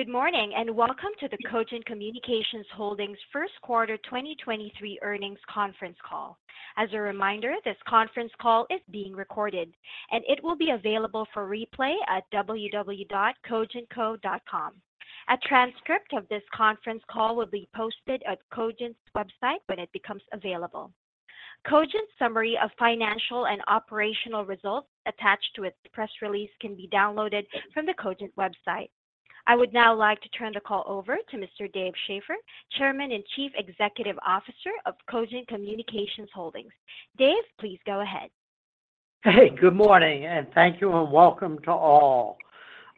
Good morning, welcome to the Cogent Communications Holdings First Quarter 2023 Earnings Conference Call. As a reminder, this conference call is being recorded, and it will be available for replay at www.cogentco.com. A transcript of this conference call will be posted at Cogent's website when it becomes available. Cogent's summary of financial and operational results attached to its press release can be downloaded from the Cogent website. I would now like to turn the call over to Mr. Dave Schaeffer, Chairman and Chief Executive Officer of Cogent Communications Holdings. Dave, please go ahead. Hey, good morning, and thank you, and welcome to all.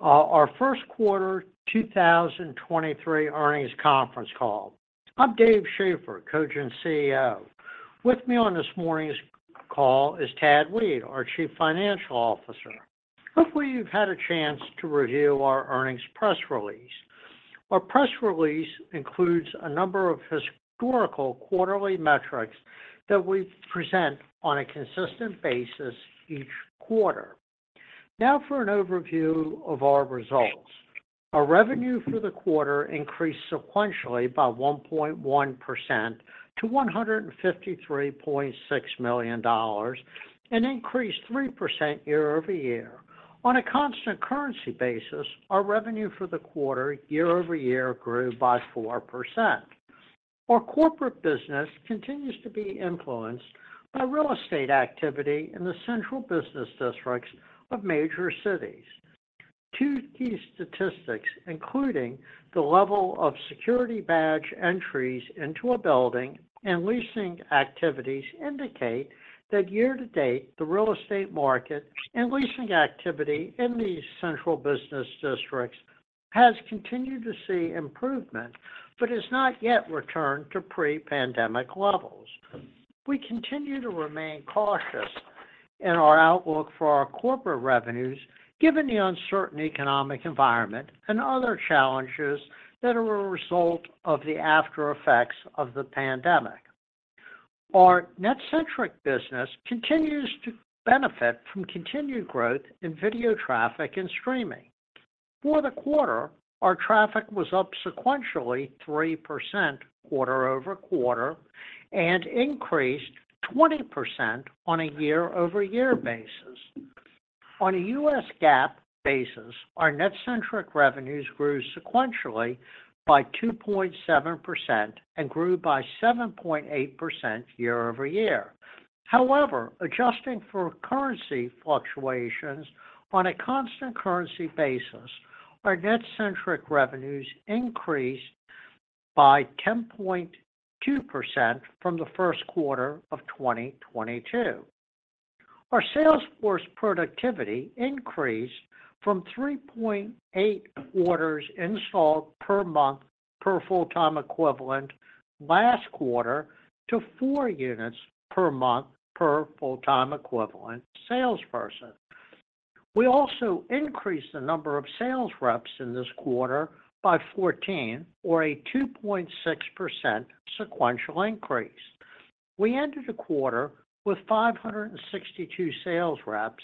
Our First quarter 2023 Earnings Conference Call. I'm Dave Schaeffer, Cogent's CEO. With me on this morning's call is Tad Weed, our Chief Financial Officer. Hopefully, you've had a chance to review our earnings press release. Our press release includes a number of historical quarterly metrics that we present on a consistent basis each quarter. Now for an overview of our results. Our revenue for the quarter increased sequentially by 1.1% to $153.6 million and increased 3% year-over-year. On a constant currency basis, our revenue for the quarter year-over-year grew by 4%. Our corporate business continues to be influenced by real estate activity in the central business districts of major cities. Two key statistics, including the level of security badge entries into a building and leasing activities, indicate that year to date, the real estate market and leasing activity in these central business districts has continued to see improvement but has not yet returned to pre-pandemic levels. We continue to remain cautious in our outlook for our corporate revenues given the uncertain economic environment and other challenges that are a result of the after effects of the pandemic. Our NetCentric business continues to benefit from continued growth in video traffic and streaming. For the quarter, our traffic was up sequentially 3% quarter-over-quarter and increased 20% on a year-over-year basis. On a U.S. GAAP basis, our NetCentric revenues grew sequentially by 2.7% and grew by 7.8% year-over-year. However, adjusting for currency fluctuations on a constant currency basis, our NetCentric revenues increased by 10.2% from the first quarter of 2022. Our sales force productivity increased from 3.8 orders installed per month per full-time equivalent last quarter to four units per month per full-time equivalent salesperson. We also increased the number of sales reps in this quarter by 14 or a 2.6% sequential increase. We ended the quarter with 562 sales reps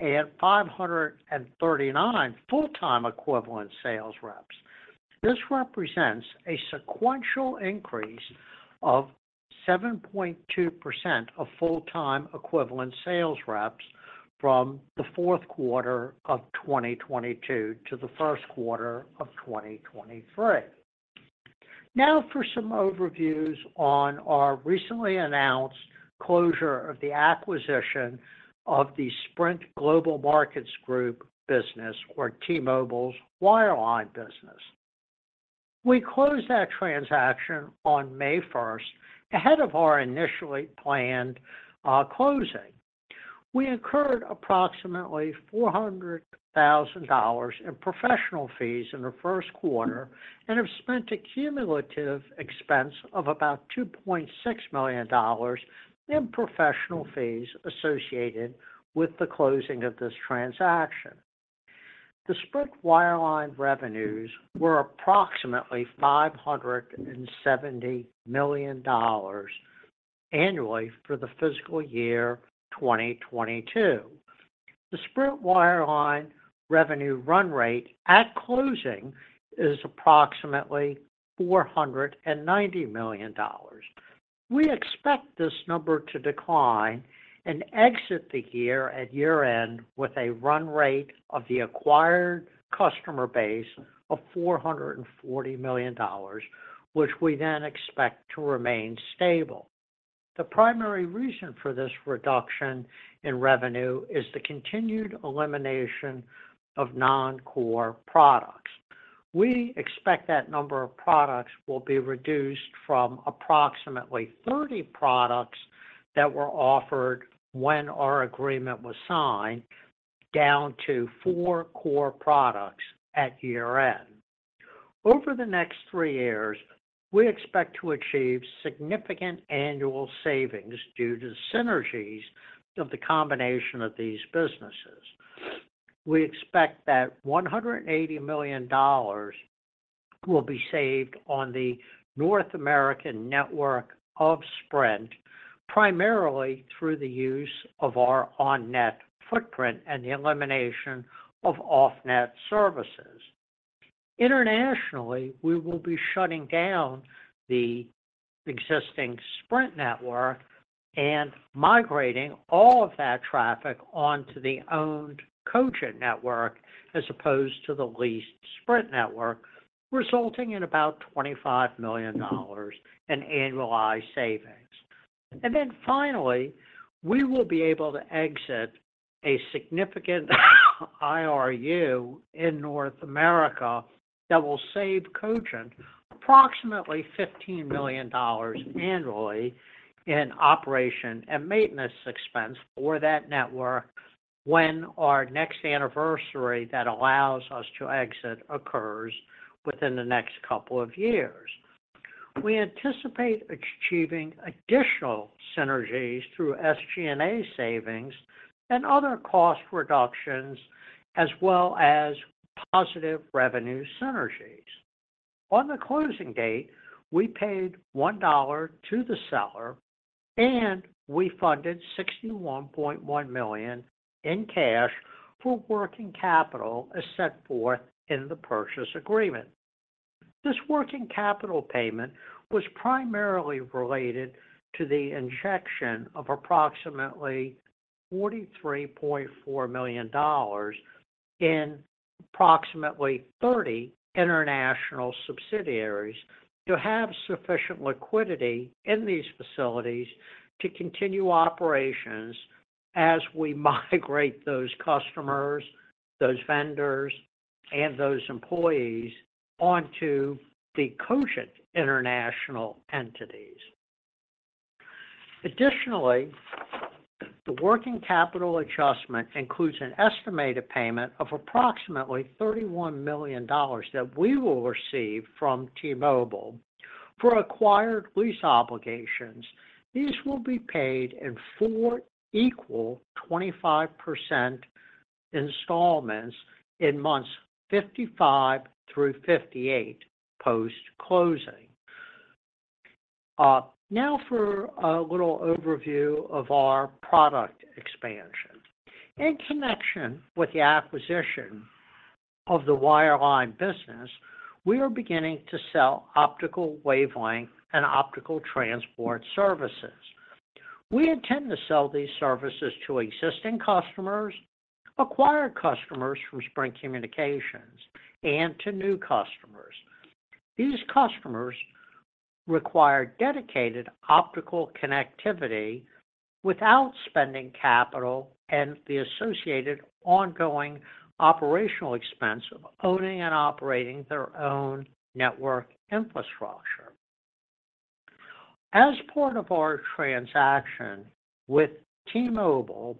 at 539 full-time equivalent sales reps. This represents a sequential increase of 7.2% of full-time equivalent sales reps from the fourth quarter of 2022 to the first quarter of 2023. Now for some overviews on our recently announced closure of the acquisition of the Sprint Global Markets Group business or T-Mobile's wireline business. We closed that transaction on May first ahead of our initially planned closing. We incurred approximately $400,000 in professional fees in the first quarter and have spent a cumulative expense of about $2.6 million in professional fees associated with the closing of this transaction. The Sprint wireline revenues were approximately $570 million annually for the fiscal year 2022. The Sprint wireline revenue run rate at closing is approximately $490 million. We expect this number to decline and exit the year at year-end with a run rate of the acquired customer base of $440 million, which we then expect to remain stable. The primary reason for this reduction in revenue is the continued elimination of non-core products. We expect that number of products will be reduced from approximately 30 products that were offered when our agreement was signed down to four core products at year-end. Over the next three years, we expect to achieve significant annual savings due to synergies of the combination of these businesses. We expect that $180 million will be saved on the North American network of Sprint primarily through the use of our on-net footprint and the elimination of off-net services. Internationally, we will be shutting down the existing Sprint network and migrating all of that traffic onto the owned Cogent network as opposed to the leased Sprint network, resulting in about $25 million in annualized savings. Finally, we will be able to exit a significant IRU in North America that will save Cogent approximately $15 million annually in operation and maintenance expense for that network when our next anniversary that allows us to exit occurs within the next couple of years. We anticipate achieving additional synergies through SG&A savings and other cost reductions, as well as positive revenue synergies. On the closing date, we paid $1 to the seller, and we funded $61.1 million in cash for working capital as set forth in the purchase agreement. This working capital payment was primarily related to the injection of approximately $43.4 million in approximately 30 international subsidiaries to have sufficient liquidity in these facilities to continue operations as we migrate those customers, those vendors, and those employees onto the Cogent international entities. Additionally, the working capital adjustment includes an estimated payment of approximately $31 million that we will receive from T-Mobile for acquired lease obligations. These will be paid in four equal 25% installments in months 55 through 58 post-closing. Now for a little overview of our product expansion. In connection with the acquisition of the wireline business, we are beginning to sell optical wavelength and optical transport services. We intend to sell these services to existing customers, acquire customers from Sprint Communications, and to new customers. These customers require dedicated optical connectivity without spending capital and the associated ongoing operational expense of owning and operating their own network infrastructure. As part of our transaction with T-Mobile,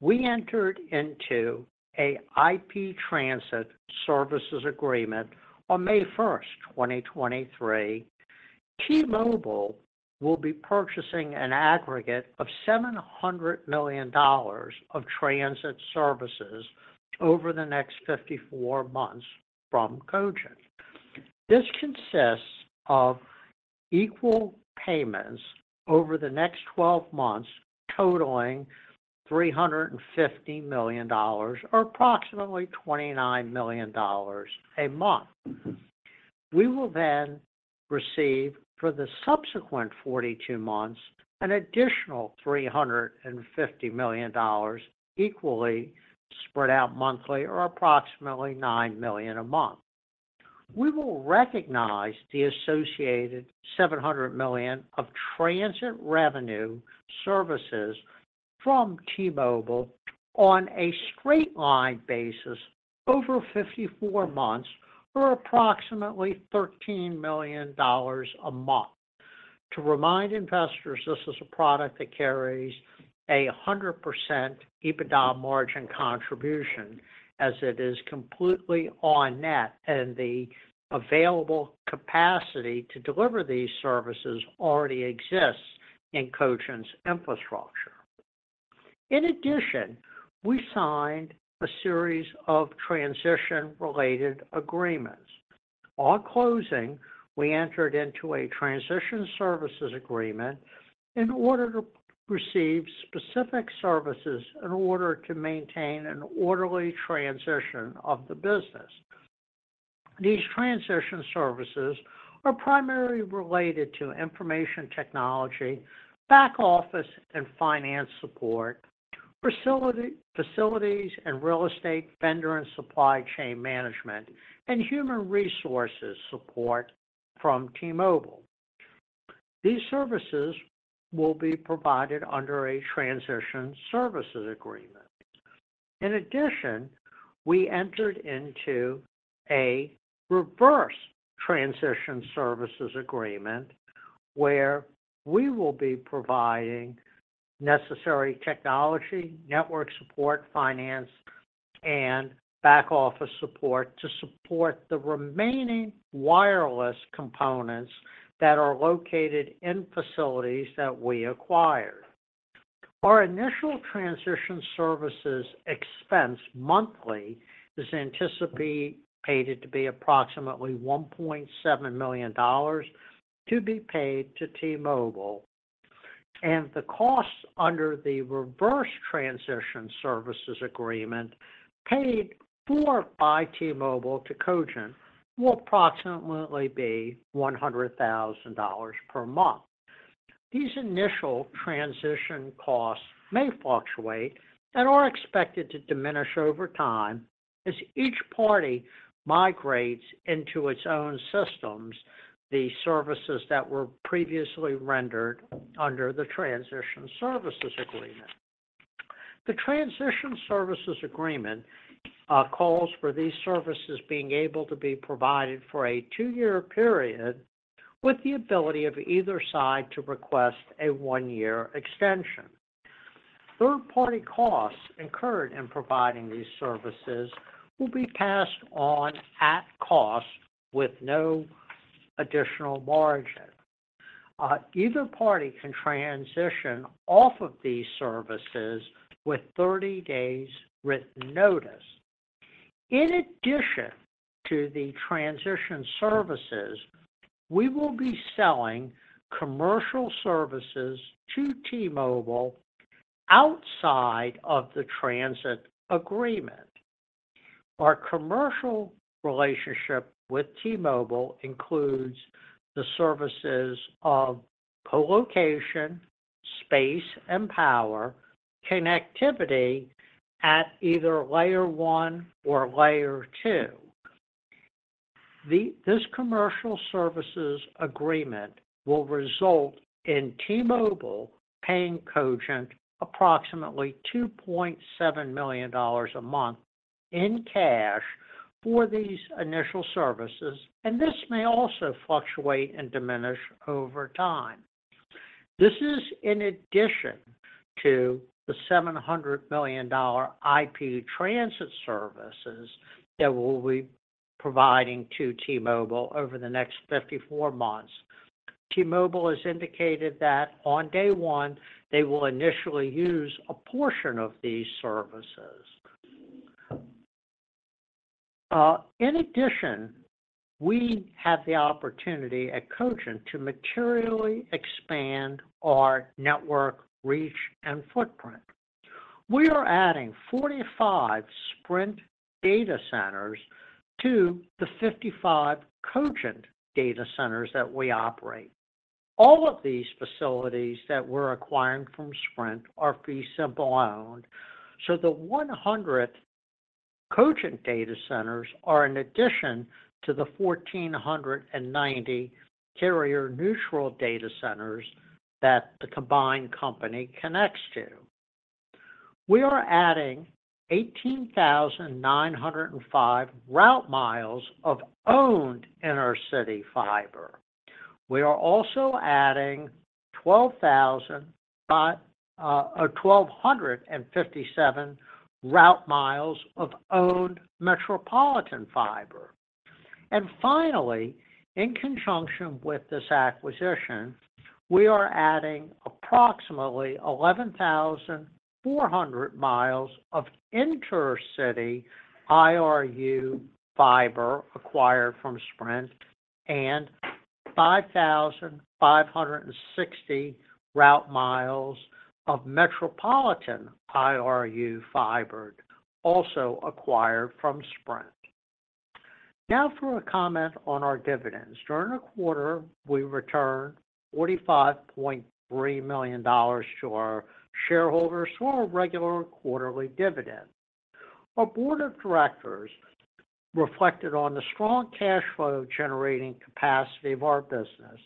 we entered into a IP transit services agreement on 1st May 2023. T-Mobile will be purchasing an aggregate of $700 million of transit services over the next 54 months from Cogent. This consists of equal payments over the next 12 months, totaling $350 million or approximately $29 million a month. We will receive for the subsequent 42 months an additional $350 million equally spread out monthly or approximately $9 million a month. We will recognize the associated $700 million of transit revenue services from T-Mobile on a straight-line basis over 54 months or approximately $13 million a month. To remind investors, this is a product that carries a 100% EBITDA margin contribution as it is completely on-net, the available capacity to deliver these services already exists in Cogent's infrastructure. We signed a series of transition-related agreements. On closing, we entered into a transition services agreement in order to receive specific services in order to maintain an orderly transition of the business. These transition services are primarily related to information technology, back office and finance support, facilities and real estate vendor and supply chain management, and human resources support from T-Mobile. These services will be provided under a transition services agreement. In addition, we entered into a reverse transition services agreement where we will be providing necessary technology, network support, finance, and back office support to support the remaining wireless components that are located in facilities that we acquired. Our initial transition services expense monthly is anticipated to be approximately $1.7 million to be paid to T-Mobile, and the costs under the reverse transition services agreement paid for by T-Mobile to Cogent will approximately be $100,000 per month. These initial transition costs may fluctuate and are expected to diminish over time as each party migrates into its own systems the services that were previously rendered under the transition services agreement. The transition services agreement calls for these services being able to be provided for a two years period with the ability of either side to request a one year extension. Third party costs incurred in providing these services will be passed on at cost with no additional margin. Either party can transition off of these services with 30 days written notice. In addition to the transition services, we will be selling commercial services to T-Mobile outside of the transit agreement. Our commercial relationship with T-Mobile includes the services of co-location, space and power, connectivity at either layer one or layer two. This commercial services agreement will result in T-Mobile paying Cogent approximately $2.7 million a month in cash for these initial services, and this may also fluctuate and diminish over time. This is in addition to the $700 million IP transit services that we'll be providing to T-Mobile over the next 54 months. T-Mobile has indicated that on day one, they will initially use a portion of these services. In addition, we have the opportunity at Cogent to materially expand our network reach and footprint. We are adding 45 Sprint data centers to the 55 Cogent data centers that we operate. All of these facilities that we're acquiring from Sprint are fee simple owned, so the 100 Cogent data centers are an addition to the 1,490 carrier neutral data centers that the combined company connects to. We are adding 18,905 route miles of owned inner-city fiber. We are also adding 1,257 route miles of owned metropolitan fiber. Finally, in conjunction with this acquisition, we are adding approximately 11,400 miles of intercity IRU fiber acquired from Sprint and 5,560 route miles of metropolitan IRU fiber, also acquired from Sprint. For a comment on our dividends. During the quarter, we returned $45.3 million to our shareholders for a regular quarterly dividend. Our board of directors reflected on the strong cash flow generating capacity of our business,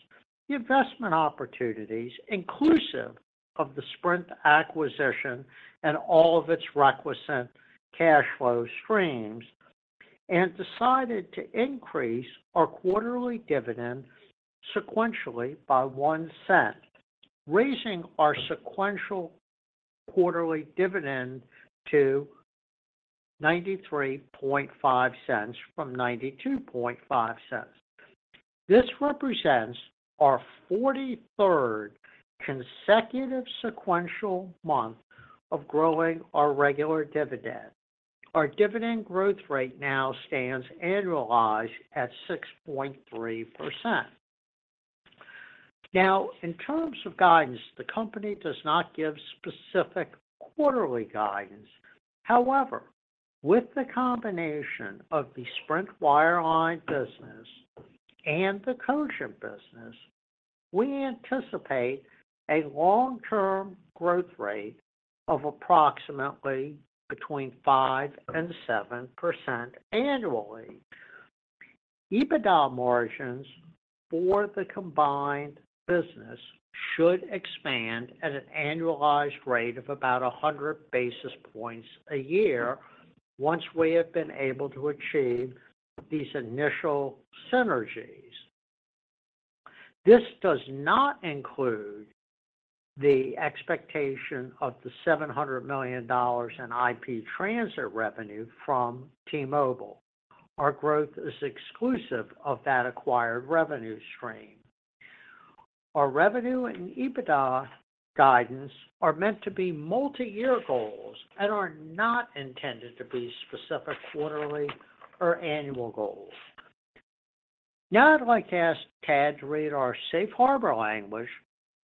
the investment opportunities inclusive of the Sprint acquisition and all of its requisite cash flow streams, and decided to increase our quarterly dividend sequentially by $0.01, raising our sequential quarterly dividend to $0.935 from $0.925. This represents our 43rd consecutive sequential month of growing our regular dividend. Our dividend growth rate now stands annualized at 6.3%. In terms of guidance, the company does not give specific quarterly guidance. With the combination of the Sprint wireline business and the Cogent business, we anticipate a long-term growth rate of approximately between 5% and 7% annually. EBITDA margins for the combined business should expand at an annualized rate of about 100 basis points a year once we have been able to achieve these initial synergies. This does not include the expectation of the $700 million in IP transit revenue from T-Mobile. Our growth is exclusive of that acquired revenue stream. Our revenue and EBITDA guidance are meant to be multi-year goals and are not intended to be specific quarterly or annual goals. Now I'd like to ask Tad to read our safe harbor language,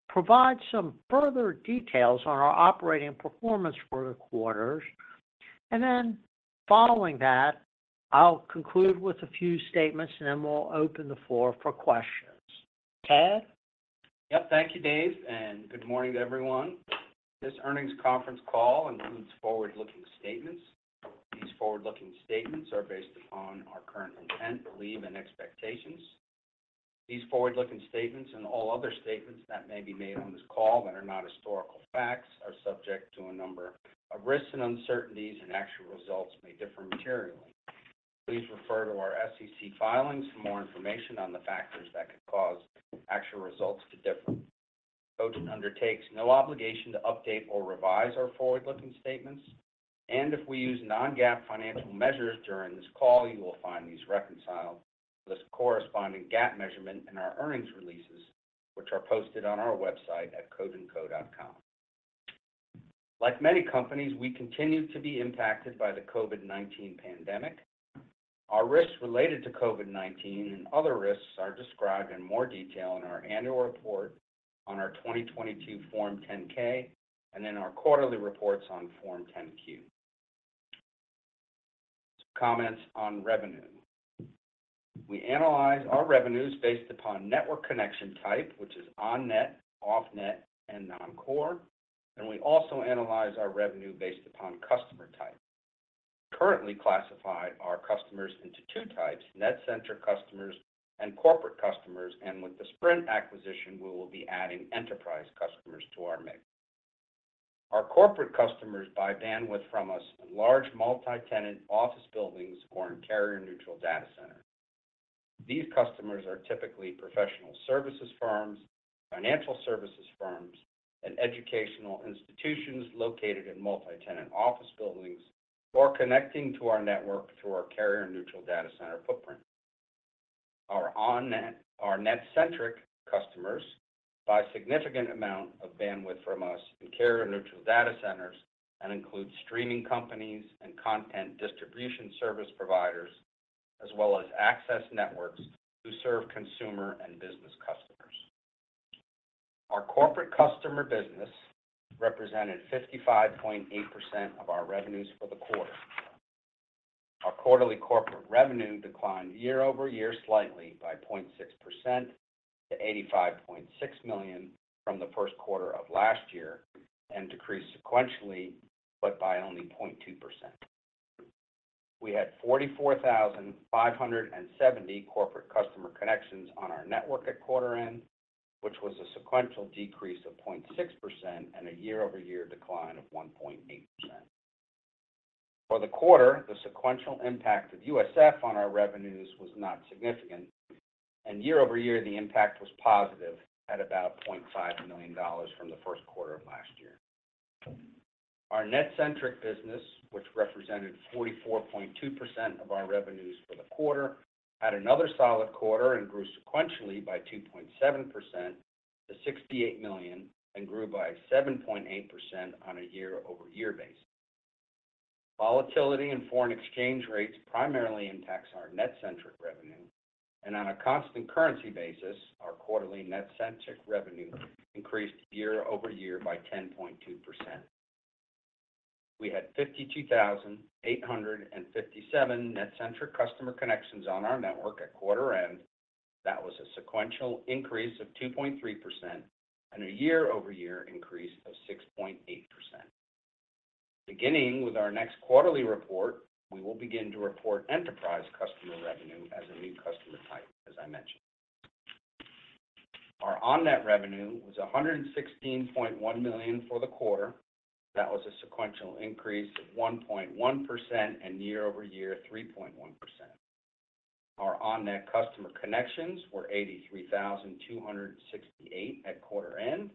provide some further details on our operating performance for the quarters, and then following that, I'll conclude with a few statements, and then we'll open the floor for questions. Tad? Yep. Thank you, Dave, good morning to everyone. This earnings conference call includes forward-looking statements. These forward-looking statements are based upon our current intent, belief, and expectations. These forward-looking statements and all other statements that may be made on this call that are not historical facts are subject to a number of risks and uncertainties, and actual results may differ materially. Please refer to our SEC filings for more information on the factors that could cause actual results to differ. Cogent undertakes no obligation to update or revise our forward-looking statements. If we use non-GAAP financial measures during this call, you will find these reconciled with the corresponding GAAP measurement in our earnings releases, which are posted on our website at cogentco.com. Like many companies, we continue to be impacted by the COVID-19 pandemic. Our risks related to COVID-19 and other risks are described in more detail in our annual report on our 2022 Form 10-K and in our quarterly reports on Form 10-Q. Comments on revenue. We analyze our revenues based upon network connection type, which is on-net, off-net, and non-core, and we also analyze our revenue based upon customer type. We currently classify our customers into two types, NetCentric customers and corporate customers, and with the Sprint acquisition, we will be adding enterprise customers to our mix. Our corporate customers buy bandwidth from us in large multi-tenant office buildings or in carrier-neutral data centers. These customers are typically professional services firms, financial services firms, and educational institutions located in multi-tenant office buildings or connecting to our network through our carrier-neutral data center footprint. Our NetCentric customers buy a significant amount of bandwidth from us in carrier-neutral data centers and include streaming companies and content distribution service providers, as well as access networks who serve consumer and business customers. Our corporate customer business represented 55.8% of our revenues for the quarter. Our quarterly corporate revenue declined year-over-year slightly by 0.6% to $85.6 million from the 1st quarter of last year and decreased sequentially, but by only 0.2%. We had 44,570 corporate customer connections on our network at quarter-end, which was a sequential decrease of 0.6% and a year-over-year decline of 1.8%. For the quarter, the sequential impact of USF on our revenues was not significant, and year-over-year, the impact was positive at about $0.5 million from the 1st quarter of last year. Our NetCentric business, which represented 44.2% of our revenues for the quarter, had another solid quarter and grew sequentially by 2.7% to $68 million and grew by 7.8% on a year-over-year basis. Volatility in foreign exchange rates primarily impacts our NetCentric revenue, and on a constant currency basis, our quarterly NetCentric revenue increased year-over-year by 10.2%. We had 52,857 NetCentric customer connections on our network at quarter end. That was a sequential increase of 2.3% and a year-over-year increase of 6.8%. Beginning with our next quarterly report, we will begin to report enterprise customer revenue as a new customer type, as I mentioned. Our on-net revenue was $116.1 million for the quarter. That was a sequential increase of 1.1% and year-over-year, 3.1%. Our on-net customer connections were 83,268 at quarter end,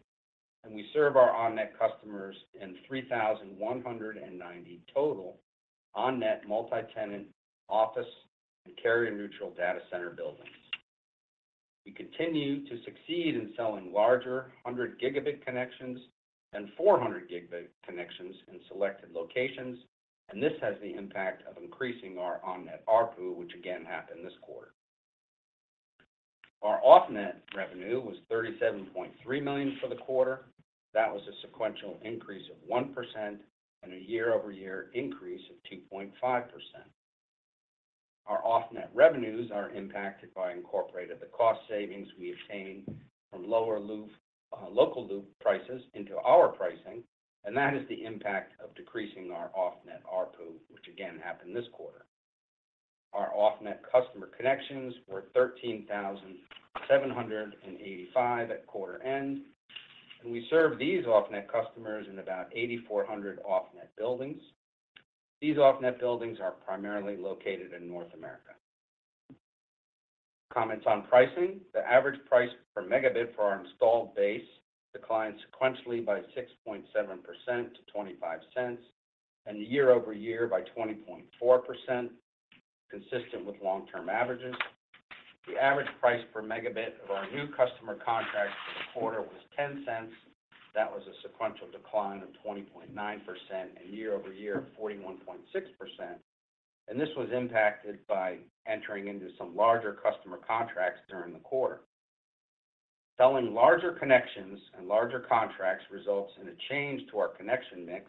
and we serve our on-net customers in 3,190 total on-net multi-tenant office and carrier-neutral data center buildings. We continue to succeed in selling larger 100 gigabit connections and 400 gigabit connections in selected locations, and this has the impact of increasing our on-net ARPU, which again happened this quarter. Our off-net revenue was $37.3 million for the quarter. That was a sequential increase of 1% and a year-over-year increase of 2.5%. Our off-net revenues are impacted by incorporated the cost savings we obtain from lower local loop prices into our pricing, and that is the impact of decreasing our off-net ARPU, which again happened this quarter. Our off-net customer connections were 13,785 at quarter end, and we serve these off-net customers in about 8,400 off-net buildings. These off-net buildings are primarily located in North America. Comments on pricing. The average price per megabit for our installed base declined sequentially by 6.7% to $0.25, and year-over-year by 20.4%, consistent with long-term averages. The average price per megabit of our new customer contracts for the quarter was $0.10. That was a sequential decline of 20.9% and year-over-year of 41.6%, and this was impacted by entering into some larger customer contracts during the quarter. Selling larger connections and larger contracts results in a change to our connection mix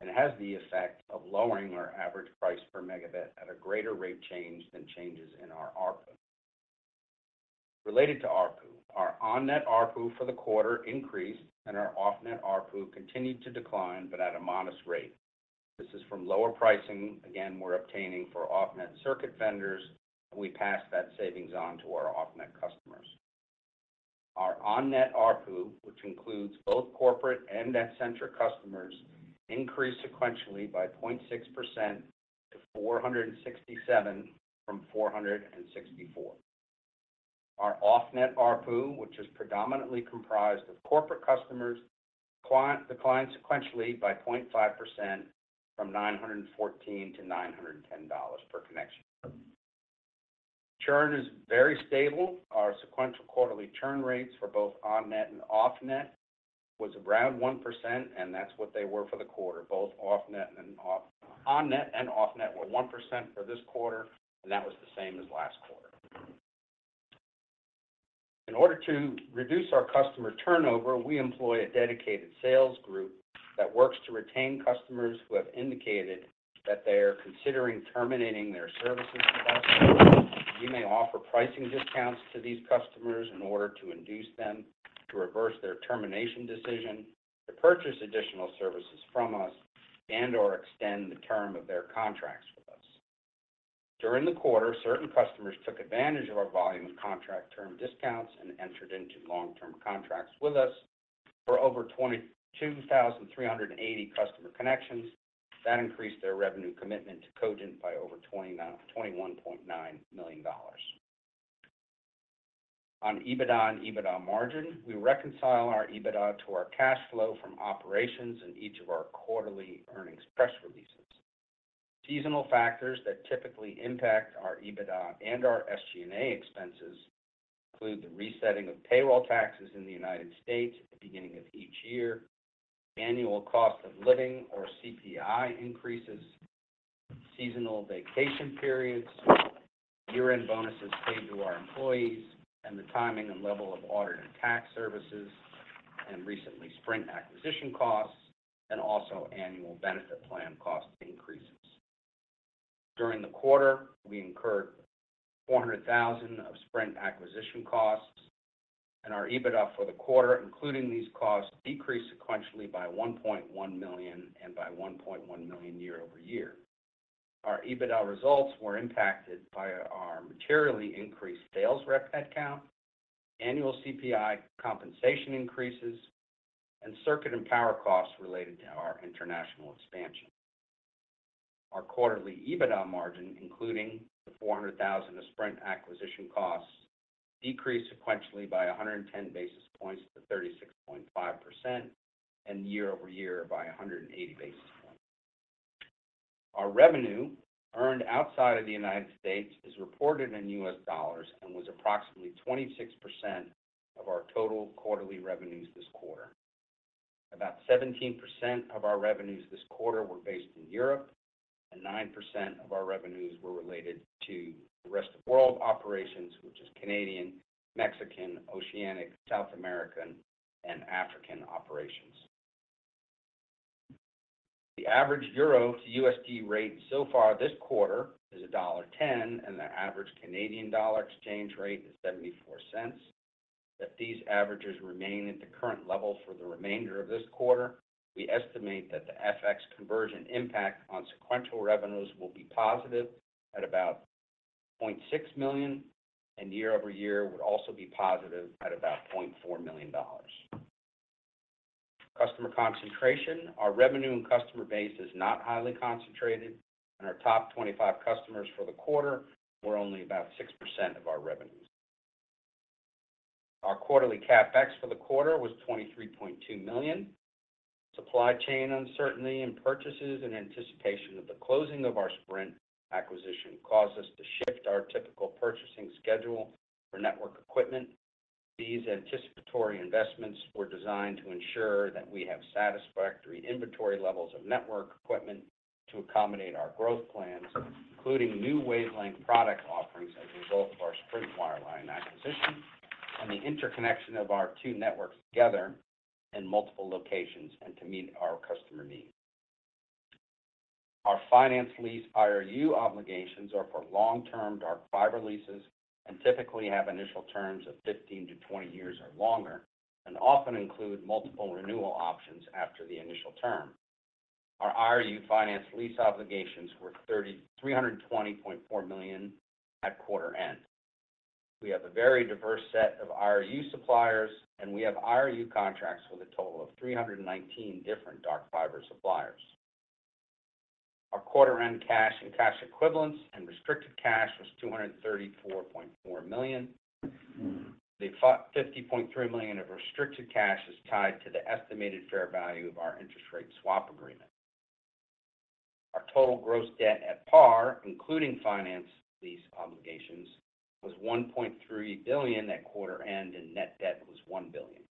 and has the effect of lowering our average price per megabit at a greater rate change than changes in our ARPU. Related to ARPU, our on-net ARPU for the quarter increased and our off-net ARPU continued to decline, but at a modest rate. This is from lower pricing, again, we're obtaining for off-net circuit vendors, and we pass that savings on to our off-net customers. Our on-net ARPU, which includes both corporate and NetCentric customers, increased sequentially by 0.6% to 467 from 464. Our off-net ARPU, which is predominantly comprised of corporate customers, declined sequentially by 0.5% from $914 to $910 per connection. Churn is very stable. Our sequential quarterly churn rates for both on-net and off-net was around 1%, and that's what they were for the quarter. Both on-net and off-net were 1% for this quarter, and that was the same as last quarter. In order to reduce our customer turnover, we employ a dedicated sales group that works to retain customers who have indicated that they are considering terminating their services with us. We may offer pricing discounts to these customers in order to induce them to reverse their termination decision, to purchase additional services from us, and/or extend the term of their contracts with us. During the quarter, certain customers took advantage of our volume contract term discounts and entered into long-term contracts with us for over 22,380 customer connections. That increased their revenue commitment to Cogent by over $21.9 million. On EBITDA and EBITDA margin, we reconcile our EBITDA to our cash flow from operations in each of our quarterly earnings press releases. Seasonal factors that typically impact our EBITDA and our SG&A expenses include the resetting of payroll taxes in the United States at the beginning of each year, annual cost of living or CPI increases, seasonal vacation periods, year-end bonuses paid to our employees, and the timing and level of audited tax services, and recently, Sprint acquisition costs, and also annual benefit plan cost increases. During the quarter, we incurred $400,000 of Sprint acquisition costs. Our EBITDA for the quarter, including these costs, decreased sequentially by $1.1 million and by $1.1 million year-over-year. Our EBITDA results were impacted by our materially increased sales rep headcount, annual CPI compensation increases, and circuit and power costs related to our international expansion. Our quarterly EBITDA margin, including the $400,000 of Sprint acquisition costs, decreased sequentially by 110 basis points to 36.5% and year-over-year by 180 basis points. Our revenue earned outside of the United States is reported in US dollars and was approximately 26% of our total quarterly revenues this quarter. About 17% of our revenues this quarter were based in Europe, and 9% of our revenues were related to the rest of world operations, which is Canadian, Mexican, Oceanic, South American, and African operations. The average EUR to USD rate so far this quarter is $1.10, and the average CAD exchange rate is 0.74. If these averages remain at the current level for the remainder of this quarter, we estimate that the FX conversion impact on sequential revenues will be positive at about $0.6 million, and year-over-year would also be positive at about $0.4 million. Customer concentration. Our revenue and customer base is not highly concentrated, and our top 25 customers for the quarter were only about 6% of our revenues. Our quarterly CapEx for the quarter was $23.2 million. Supply chain uncertainty and purchases in anticipation of the closing of our Sprint acquisition caused us to shift our typical purchasing schedule for network equipment. These anticipatory investments were designed to ensure that we have satisfactory inventory levels of network equipment to accommodate our growth plans, including new Wavelengths product offerings as a result of our Sprint wireline acquisition and the interconnection of our two networks together in multiple locations and to meet our customer needs. Our finance lease IRU obligations are for long-term Dark Fiber leases and typically have initial terms of 15-20 years or longer and often include multiple renewal options after the initial term. Our IRU finance lease obligations were $320.4 million at quarter end. We have a very diverse set of IRU suppliers. We have IRU contracts with a total of 319 different Dark Fiber suppliers. Our quarter-end cash and cash equivalents and restricted cash was $234.4 million. Fifty point three million of restricted cash is tied to the estimated fair value of our interest rate swap agreement. Our total gross debt at par, including finance lease obligations, was $1.3 billion at quarter end, and net debt was $1 billion.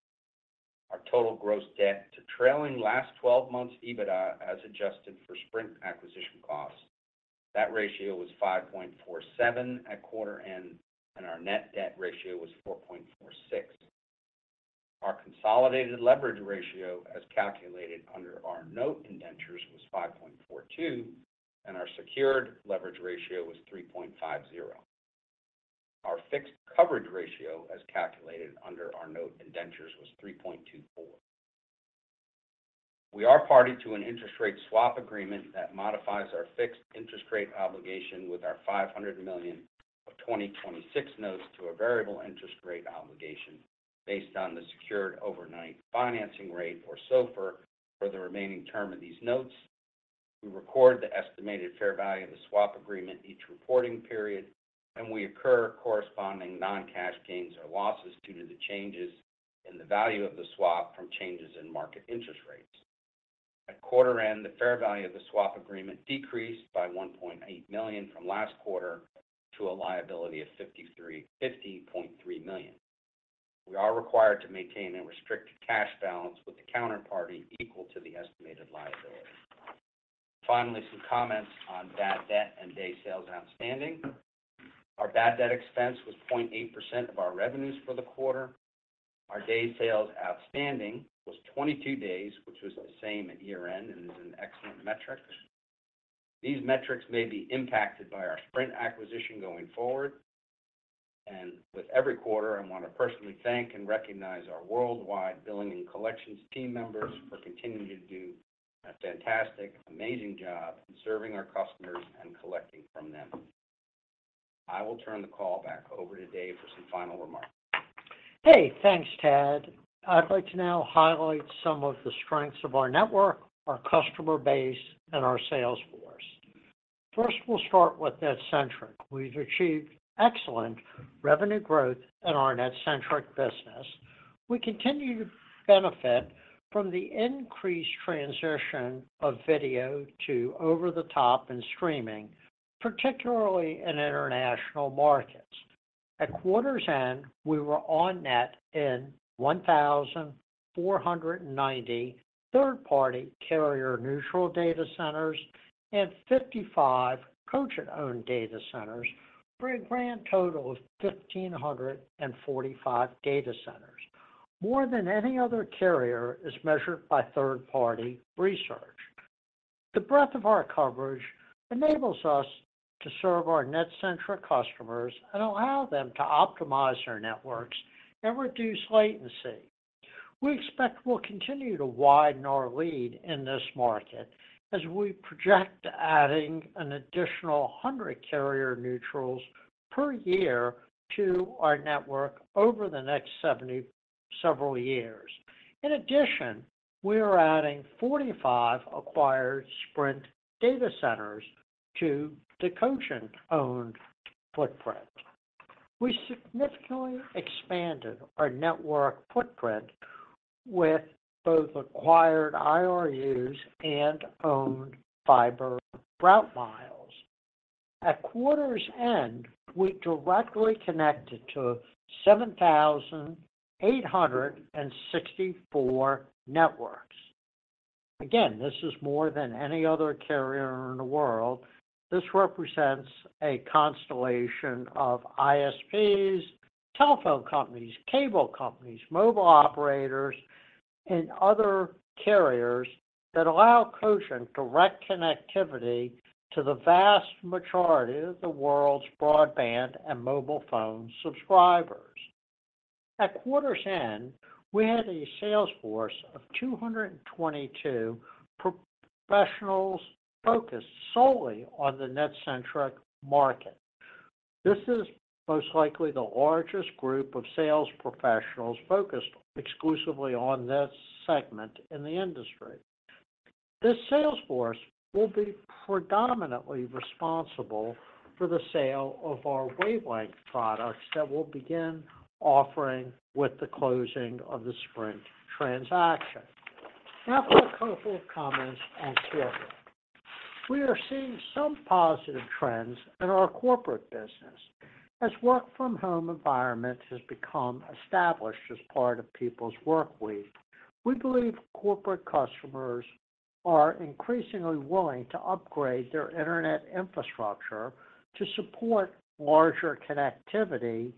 Our total gross debt to trailing last 12 months EBITDA, as adjusted for Sprint acquisition costs, that ratio was 5.47 at quarter end, and our net debt ratio was 4.46. Our consolidated leverage ratio, as calculated under our note indentures, was 5.42, and our secured leverage ratio was 3.50. Our fixed coverage ratio, as calculated under our note indentures, was 3.24. We are party to an interest rate swap agreement that modifies our fixed interest rate obligation with our $500 million of 2026 notes to a variable interest rate obligation based on the secured overnight financing rate, or SOFR, for the remaining term of these notes. We record the estimated fair value of the swap agreement each reporting period, and we incur corresponding non-cash gains or losses due to the changes in the value of the swap from changes in market interest rates. At quarter end, the fair value of the swap agreement decreased by $1.8 million from last quarter to a liability of $50.3 million. We are required to maintain a restricted cash balance with the counterparty equal to the estimated liability. Finally, some comments on bad debt and day sales outstanding. Our bad debt expense was 0.8% of our revenues for the quarter. Our day sales outstanding was 22 days, which was the same at year-end and is an excellent metric. These metrics may be impacted by our Sprint acquisition going forward. With every quarter, I want to personally thank and recognize our worldwide billing and collections team members for continuing to do a fantastic, amazing job in serving our customers and collecting from them. I will turn the call back over to Dave for some final remarks. Hey, thanks, Tad. I'd like to now highlight some of the strengths of our network, our customer base, and our sales force. We'll start with NetCentric. We've achieved excellent revenue growth in our NetCentric business. We continue to benefit from the increased transition of video to over-the-top and streaming, particularly in international markets. At quarter's end, we were on-net in 1,490 third-party carrier neutral data centers and 55 Cogent-owned data centers, for a grand total of 1,545 data centers. More than any other carrier is measured by third-party research. The breadth of our coverage enables us to serve our NetCentric customers and allow them to optimize their networks and reduce latency. We expect we'll continue to widen our lead in this market as we project adding an additional 100 carrier neutrals per year to our network over the next several years. We are adding 45 acquired Sprint data centers to the Cogent-owned footprint. We significantly expanded our network footprint with both acquired IRUs and owned fiber route miles. At quarter's end, we directly connected to 7,864 networks. This is more than any other carrier in the world. This represents a constellation of ISPs, telephone companies, cable companies, mobile operators, and other carriers that allow Cogent direct connectivity to the vast majority of the world's broadband and mobile phone subscribers. At quarter's end, we had a sales force of 222 professionals focused solely on the NetCentric market. This is most likely the largest group of sales professionals focused exclusively on this segment in the industry. This sales force will be predominantly responsible for the sale of our Wavelength products that we'll begin offering with the closing of the Sprint transaction. For a couple of comments on corporate. We are seeing some positive trends in our corporate business. As work from home environment has become established as part of people's workweek, we believe corporate customers are increasingly willing to upgrade their internet infrastructure to support larger connectivity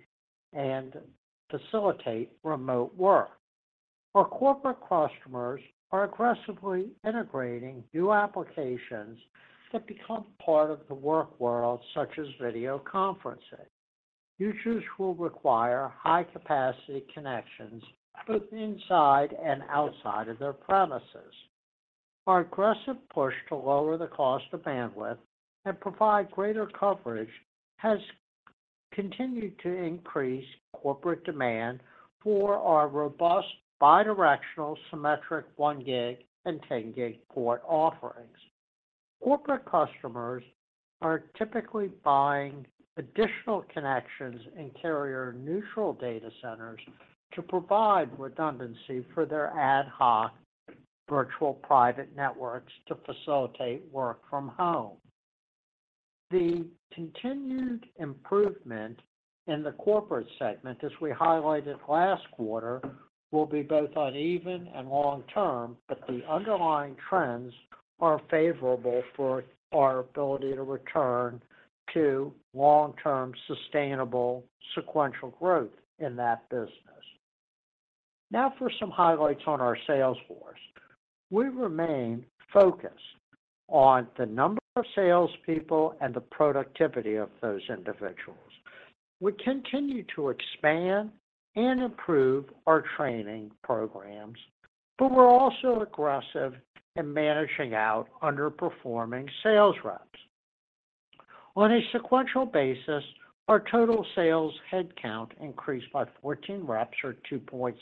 and facilitate remote work. Our corporate customers are aggressively integrating new applications that become part of the work world, such as video conferencing. Users will require high capacity connections both inside and outside of their premises. Our aggressive push to lower the cost of bandwidth and provide greater coverage has Continue to increase corporate demand for our robust bidirectional symmetric 1 gig and 10 gig port offerings. Corporate customers are typically buying additional connections in carrier neutral data centers to provide redundancy for their ad hoc virtual private networks to facilitate work from home. The continued improvement in the corporate segment, as we highlighted last quarter, will be both uneven and long-term, but the underlying trends are favorable for our ability to return to long-term sustainable sequential growth in that business. For some highlights on our sales force. We remain focused on the number of salespeople and the productivity of those individuals. We continue to expand and improve our training programs, but we're also aggressive in managing out underperforming sales reps. On a sequential basis, our total sales headcount increased by 14 reps, or 2.6%,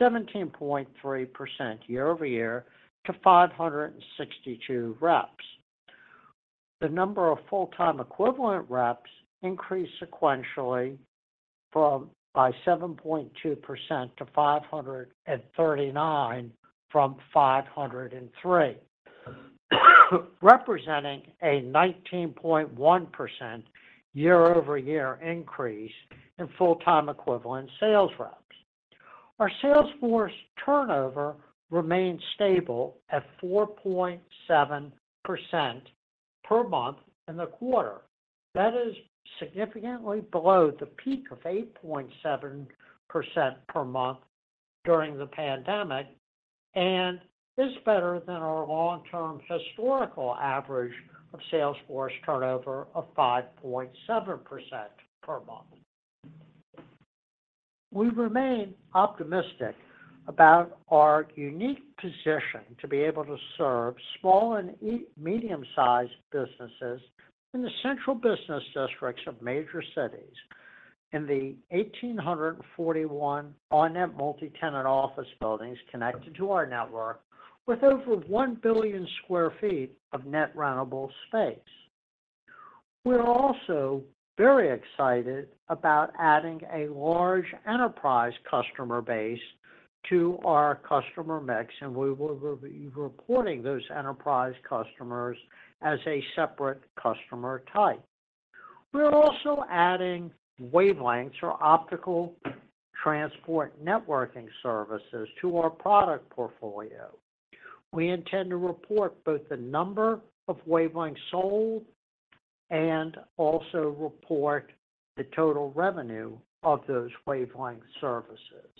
17.3% year-over-year to 562 reps. The number of full-time equivalent reps increased sequentially by 7.2% to 539 from 503. Representing a 19.1% year-over-year increase in full-time equivalent sales reps. Our sales force turnover remained stable at 4.7% per month in the quarter. That is significantly below the peak of 8.7% per month during the pandemic, and is better than our long-term historical average of sales force turnover of 5.7% per month. We remain optimistic about our unique position to be able to serve small and medium sized businesses in the central business districts of major cities in the 1,841 on-net multi-tenant office buildings connected to our network with over 1 billion sq ft of net rentable space. We're also very excited about adding a large enterprise customer base to our customer mix, we will be reporting those enterprise customers as a separate customer type. We're also adding wavelengths or optical transport networking services to our product portfolio. We intend to report both the number of wavelengths sold and also report the total revenue of those Wavelengths services.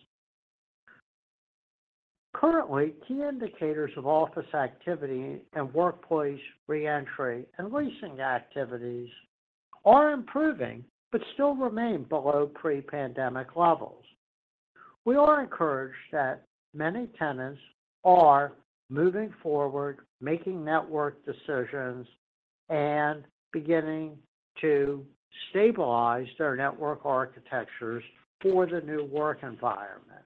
Currently, key indicators of office activity and workplace reentry and leasing activities are improving, still remain below pre-pandemic levels. We are encouraged that many tenants are moving forward, making network decisions, and beginning to stabilize their network architectures for the new work environment.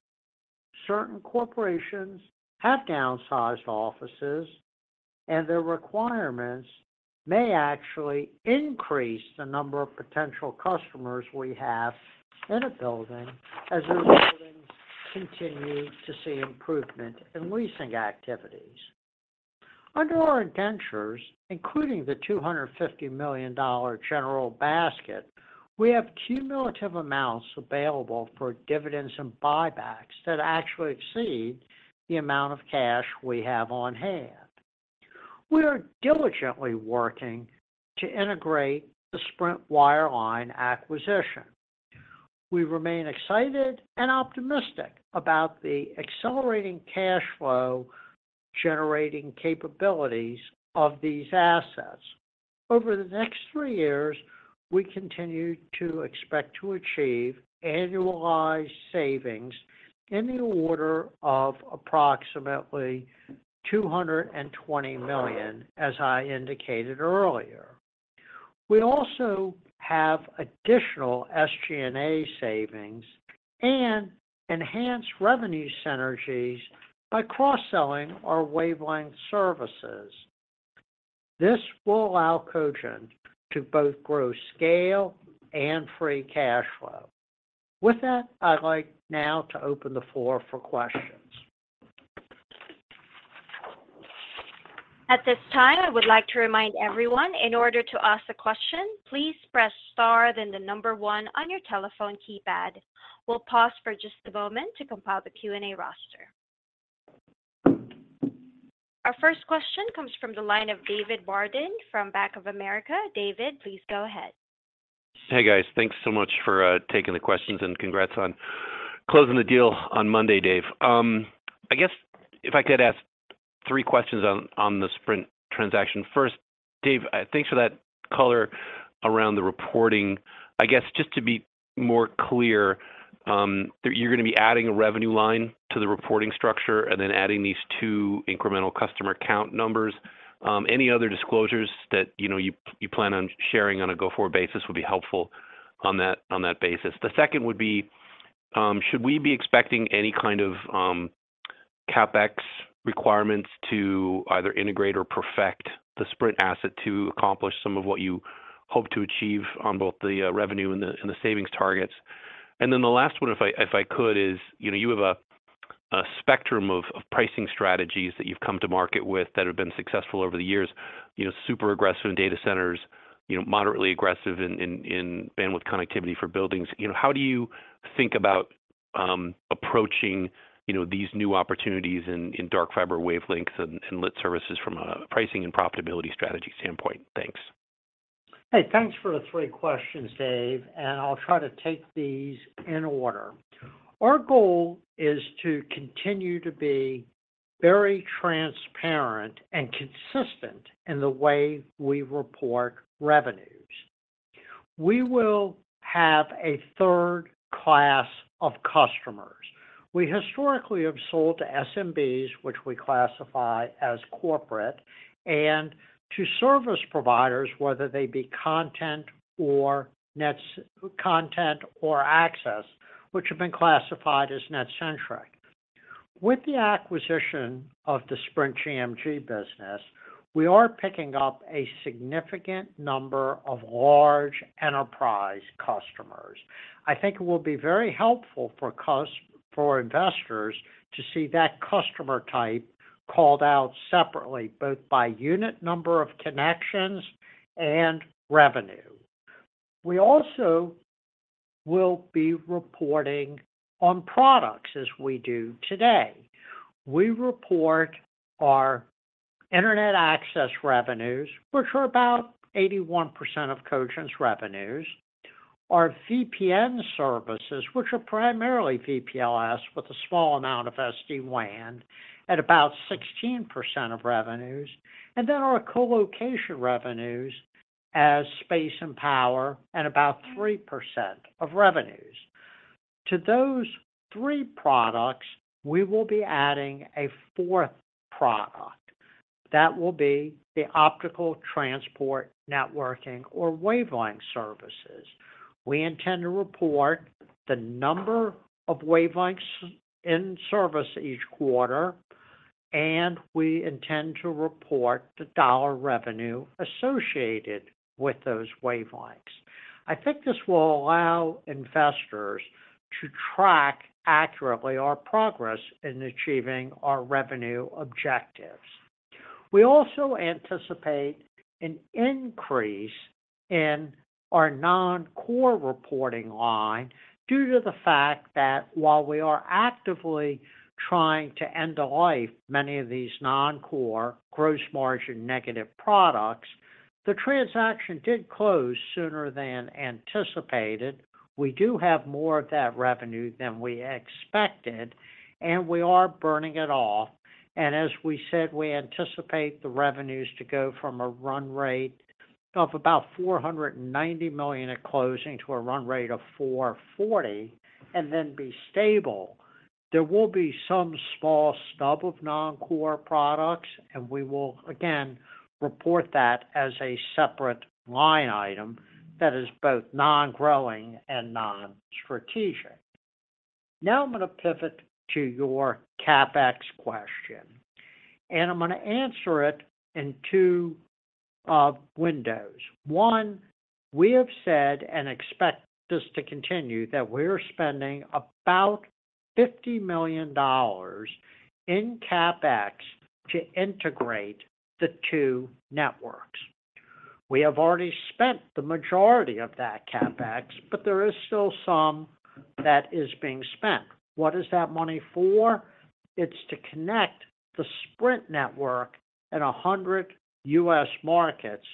Certain corporations have downsized offices, and their requirements may actually increase the number of potential customers we have in a building as their buildings continue to see improvement in leasing activities. Under our indentures, including the $250 million general basket, we have cumulative amounts available for dividends and buybacks that actually exceed the amount of cash we have on hand. We are diligently working to integrate the Sprint wireline acquisition. We remain excited and optimistic about the accelerating cash flow generating capabilities of these assets. Over the next three years, we continue to expect to achieve annualized savings in the order of approximately $220 million, as I indicated earlier. We also have additional SG&A savings and enhanced revenue synergies by cross-selling our Wavelengths services. This will allow Cogent to both grow scale and free cash flow. I'd like now to open the floor for questions. At this time, I would like to remind everyone, in order to ask a question, please press star then the number one on your telephone keypad. We'll pause for just a moment to compile the Q&A roster. Our first question comes from the line of David Barden from Bank of America. David, please go ahead. Hey, guys. Thanks so much for taking the questions, and congrats on closing the deal on Monday, Dave. I guess if I could ask three questions on the Sprint transaction. First, Dave, thanks for that color around the reporting. I guess just to be more clear, that you're gonna be adding a revenue line to the reporting structure and then adding these two incremental customer count numbers. Any other disclosures that, you know, you plan on sharing on a go-forward basis would be helpful on that basis. The second would be, should we be expecting any kind of CapEx requirements to either integrate or perfect the Sprint asset to accomplish some of what you hope to achieve on both the revenue and the savings targets? The last one, if I could is, you know, you have a spectrum of pricing strategies that you've come to market with that have been successful over the years. You know, super aggressive in data centers, you know, moderately aggressive in bandwidth connectivity for buildings. You know, how do you think about approaching, you know, these new opportunities in Dark Fiber Wavelengths and lit services from a pricing and profitability strategy standpoint? Thanks. Hey, thanks for the three questions, Dave Schaeffer, and I'll try to take these in order. Our goal is to continue to be very transparent and consistent in the way we report revenues. We will have a third class of customers. We historically have sold to SMBs, which we classify as corporate, and to service providers, whether they be content or access, which have been classified as NetCentric. With the acquisition of the Sprint Cogent business, we are picking up a significant number of large enterprise customers. I think it will be very helpful for investors to see that customer type called out separately, both by unit number of connections and revenue. We also will be reporting on products as we do today. We report our internet access revenues, which are about 81% of Cogent's revenues, our VPN services, which are primarily VPLS with a small amount of SD-WAN at about 16% of revenues, and then our colocation revenues as space and power at about 3% of revenues. To those three products, we will be adding a fourth product. That will be the optical transport networking or Wavelengths services. We intend to report the number of wavelengths in service each quarter, and we intend to report the dollar revenue associated with those wavelengths. I think this will allow investors to track accurately our progress in achieving our revenue objectives. We also anticipate an increase in our non-core reporting line due to the fact that while we are actively trying to end the life of many of these non-core gross margin negative products, the transaction did close sooner than anticipated. We do have more of that revenue than we expected, and we are burning it off. As we said, we anticipate the revenues to go from a run rate of about $490 million at closing to a run rate of $440 million and then be stable. There will be some small stub of non-core products, and we will again report that as a separate line item that is both non-growing and non-strategic. Now I'm gonna pivot to your CapEx question, and I'm gonna answer it in two windows. One, we have said and expect this to continue that we're spending about $50 million in CapEx to integrate the two networks. We have already spent the majority of that CapEx, but there is still some that is being spent. What is that money for? It's to connect the Sprint network at 100 U.S. markets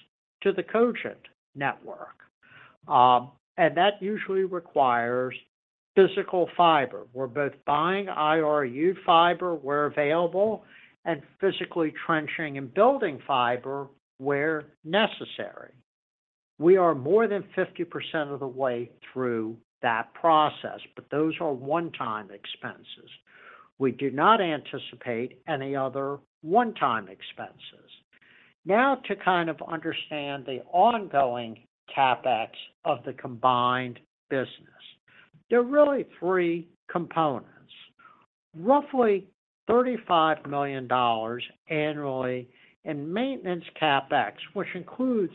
to the Cogent network. That usually requires physical fiber. We're both buying IRU fiber where available and physically trenching and building fiber where necessary. We are more than 50% of the way through that process, but those are one-time expenses. We do not anticipate any other one-time expenses. Now to kind of understand the ongoing CapEx of the combined business. There are really three components. Roughly $35 million annually in maintenance CapEx, which includes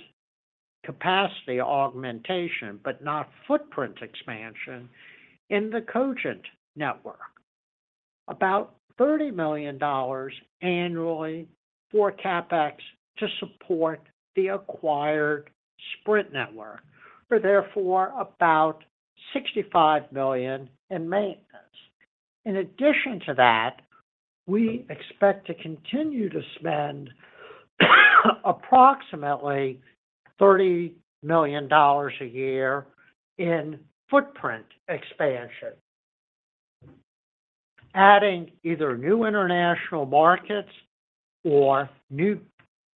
capacity augmentation, but not footprint expansion in the Cogent network. About $30 million annually for CapEx to support the acquired Sprint network. We're therefore about $65 million in maintenance. In addition to that, we expect to continue to spend approximately $30 million a year in footprint expansion. Adding either new international markets or new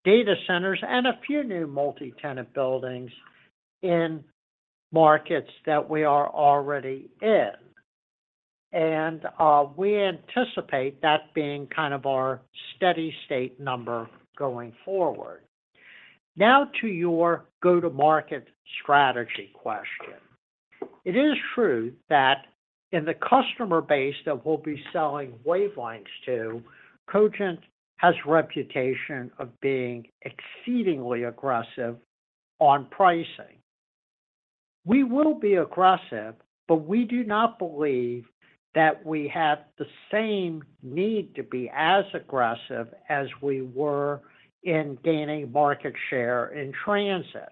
data centers and a few new multi-tenant buildings in markets that we are already in. We anticipate that being kind of our steady state number going forward. Now to your go to market strategy question. It is true that in the customer base that we'll be selling Wavelengths to, Cogent has a reputation of being exceedingly aggressive on pricing. We will be aggressive, but we do not believe that we have the same need to be as aggressive as we were in gaining market share in transit.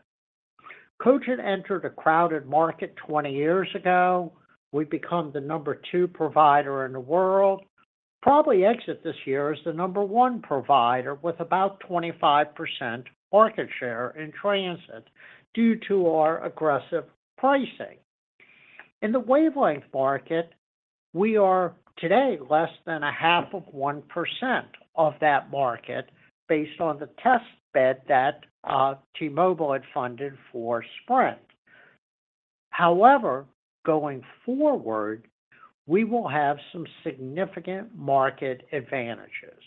Cogent entered a crowded market 20 years ago. We've become the number two provider in the world, probably exit this year as the number one provider with about 25% market share in transit due to our aggressive pricing. In the Wavelengths market, we are today less than a half of 1% of that market based on the test bed that T-Mobile had funded for Sprint. However, going forward, we will have some significant market advantages.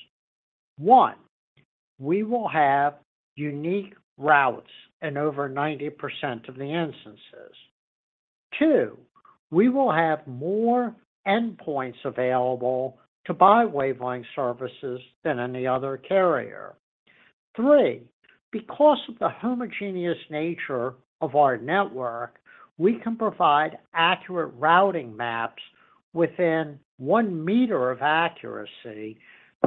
one, we will have unique routes in over 90% of the instances. Two, we will have more endpoints available to buy Wavelengths services than any other carrier. Three, because of the homogeneous nature of our network, we can provide accurate routing maps within 1 meter of accuracy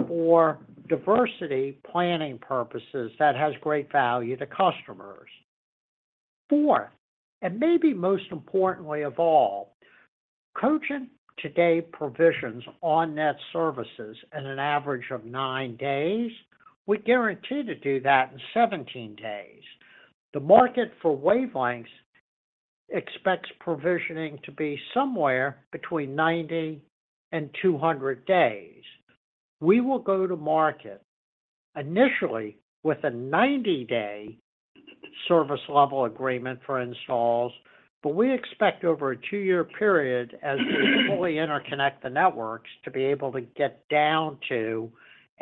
for diversity planning purposes that has great value to customers. Four, and maybe most importantly of all, Cogent today provisions on-net services at an average of nine days. We guarantee to do that in 17 days. The market for Wavelengths expects provisioning to be somewhere between 90 and 200 days. We will go to market initially with a 90 days service level agreement for installs, but we expect over a two years period as we fully interconnect the networks to be able to get down to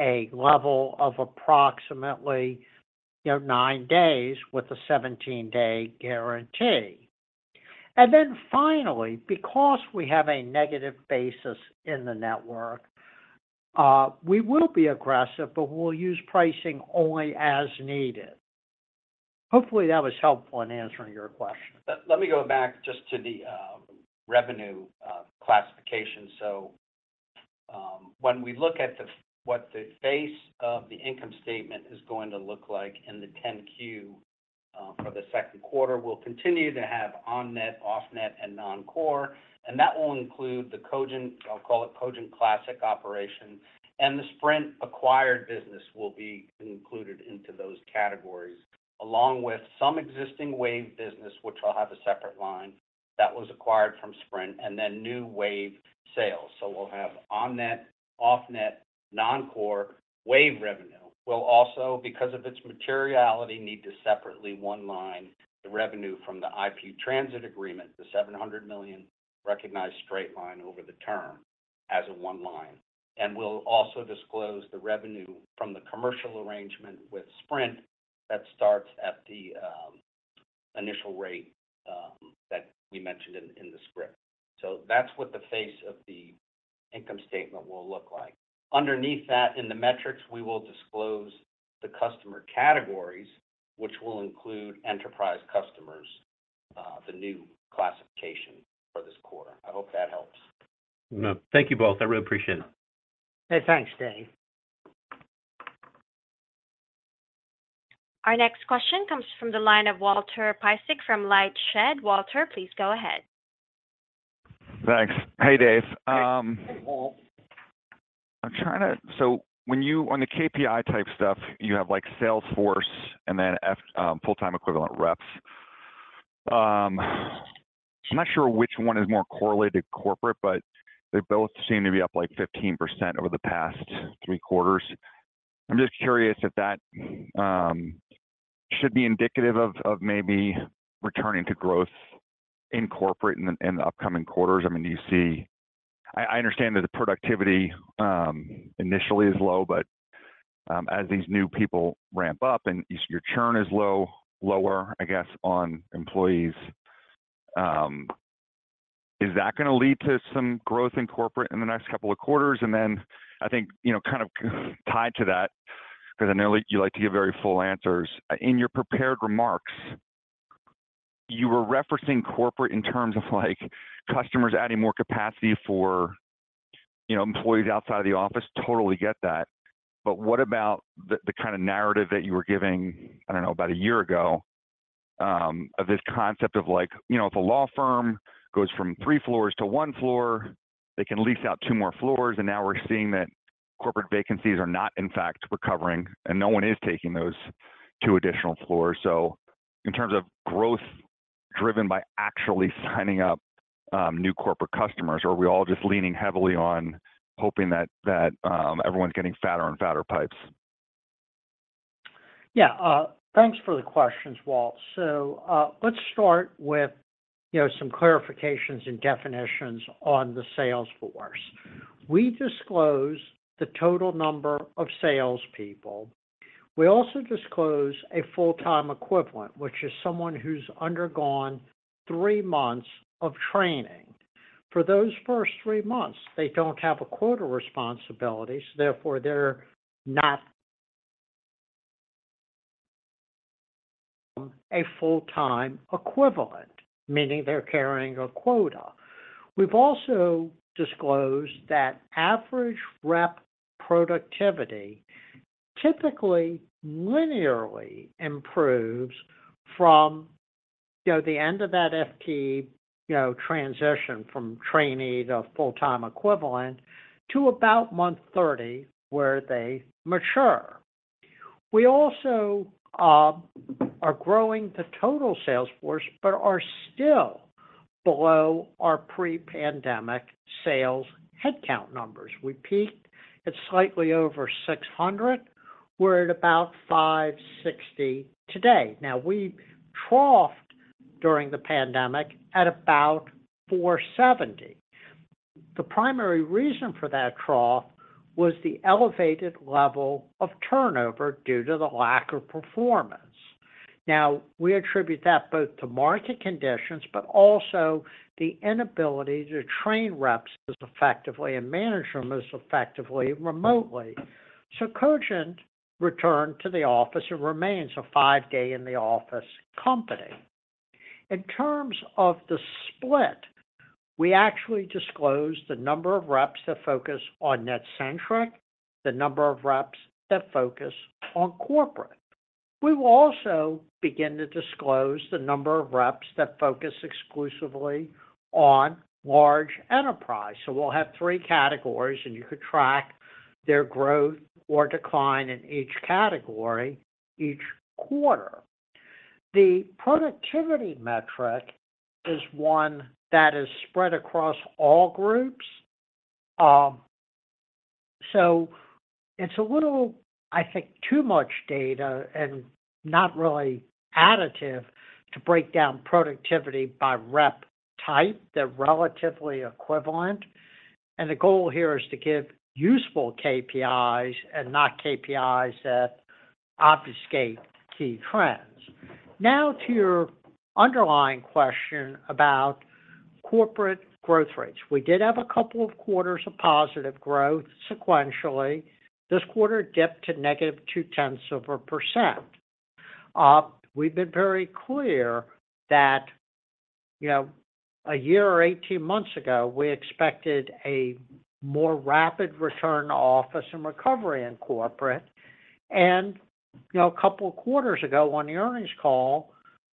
a level of approximately, you know, nine days with a 17 days guarantee. Finally, because we have a negative basis in the network, we will be aggressive, but we'll use pricing only as needed. Hopefully that was helpful in answering your question. Let me go back just to the revenue classification. When we look at what the face of the income statement is going to look like in the 10-Q for the second quarter, we'll continue to have on-net, off-net, and non-core. That will include the Cogent, I'll call it Cogent classic operation, and the Sprint acquired business will be included into those categories, along with some existing Wave business, which will have a separate line that was acquired from Sprint, new Wave sales. We'll have on-net, off-net, non-core Wave revenue. We'll also, because of its materiality, need to separately one line the revenue from the IP transit agreement, the $700 million recognized straight line over the term as a one line. We'll also disclose the revenue from the commercial arrangement with Sprint that starts at the initial rate that we mentioned in the script. That's what the face of the income statement will look like. Underneath that in the metrics, we will disclose the customer categories, which will include enterprise customers, the new classification for this quarter. I hope that helps. No, thank you both. I really appreciate it. Hey, thanks Dave. Our next question comes from the line of Walter Piecyk from LightShed Partners. Walter, please go ahead. Thanks. Hey, Dave. Hey, Walter. On the KPI type stuff, you have like sales force and then full time equivalent reps. I'm not sure which one is more correlated to corporate, they both seem to be up like 15% over the past three quarters. I'm just curious if that should be indicative of maybe returning to growth in corporate in the upcoming quarters. I understand that the productivity initially is low, but as these new people ramp up and your churn is lower, I guess, on employees, is that gonna lead to some growth in corporate in the next couple of quarters? I think, you know, kind of tied to that, because I know you like to give very full answers. In your prepared remarks, you were referencing corporate in terms of like customers adding more capacity for, you know, employees outside of the office. Totally get that. What about the kind of narrative that you were giving, I don't know, about a year ago, of this concept of like, you know, if a law firm goes from three floors to one floor, they can lease out two more floors, and now we're seeing that corporate vacancies are not in fact recovering, and no one is taking those two additional floors. In terms of growthDriven by actually signing up, new corporate customers, or are we all just leaning heavily on hoping that everyone's getting fatter and fatter pipes? Yeah. Thanks for the questions, Walt. Let's start with, you know, some clarifications and definitions on the sales force. We disclose the total number of salespeople. We also disclose a full-time equivalent, which is someone who's undergone three months of training. For those first three months, they don't have a quota responsibility, so therefore they're not a full-time equivalent, meaning they're carrying a quota. We've also disclosed that average rep productivity typically linearly improves from, you know, the end of that FT, you know, transition from trainee to full-time equivalent to about month 30, where they mature. We also are growing the total sales force but are still below our pre-pandemic sales headcount numbers. We peaked at slightly over 600. We're at about 560 today. Now, we troughed during the pandemic at about 470. The primary reason for that trough was the elevated level of turnover due to the lack of performance. We attribute that both to market conditions, but also the inability to train reps as effectively and manage them as effectively remotely. Cogent returned to the office and remains a five-day in the office company. In terms of the split, we actually disclose the number of reps that focus on NetCentric, the number of reps that focus on corporate. We will also begin to disclose the number of reps that focus exclusively on large enterprise. We'll have three categories, and you could track their growth or decline in each category each quarter. The productivity metric is one that is spread across all groups. It's a little, I think, too much data and not really additive to break down productivity by rep type. They're relatively equivalent, and the goal here is to give useful KPIs and not KPIs that obfuscate key trends. Now to your underlying question about corporate growth rates. We did have a couple of quarters of positive growth sequentially. This quarter dipped to negative 0.2%. We've been very clear that, you know, a year or 18 months ago, we expected a more rapid return to office and recovery in corporate. You know, a couple of quarters ago on the earnings call,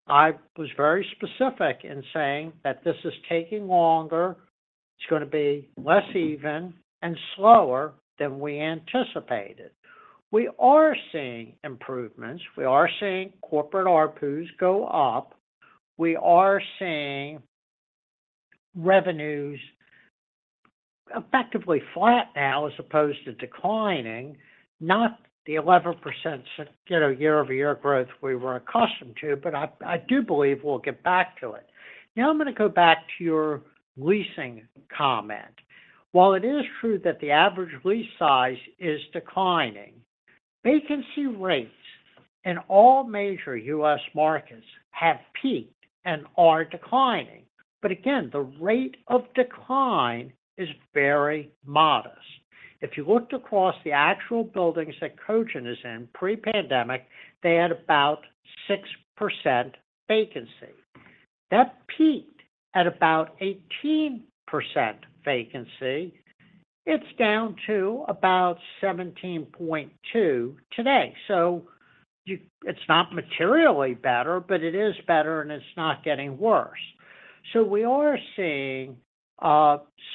I was very specific in saying that this is taking longer. It's gonna be less even and slower than we anticipated. We are seeing improvements. We are seeing corporate ARPUs go up. We are seeing revenues effectively flat now as opposed to declining, not the 11%, you know, year-over-year growth we were accustomed to, but I do believe we'll get back to it. I'm gonna go back to your leasing comment. While it is true that the average lease size is declining, vacancy rates in all major U.S. markets have peaked and are declining. Again, the rate of decline is very modest. If you looked across the actual buildings that Cogent is in pre-pandemic, they had about 6% vacancy. That peaked at about 18% vacancy. It's down to about 17.2% today. It's not materially better, but it is better, and it's not getting worse. We are seeing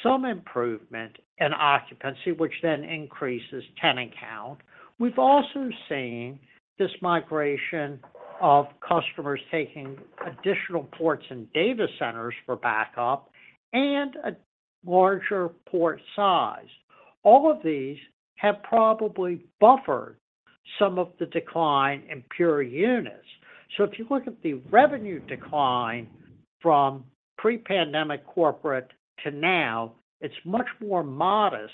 some improvement in occupancy, which then increases tenant count. We've also seen this migration of customers taking additional ports and data centers for backup and a larger port size. All of these have probably buffered some of the decline in pure units. If you look at the revenue decline from pre-pandemic corporate to now, it's much more modest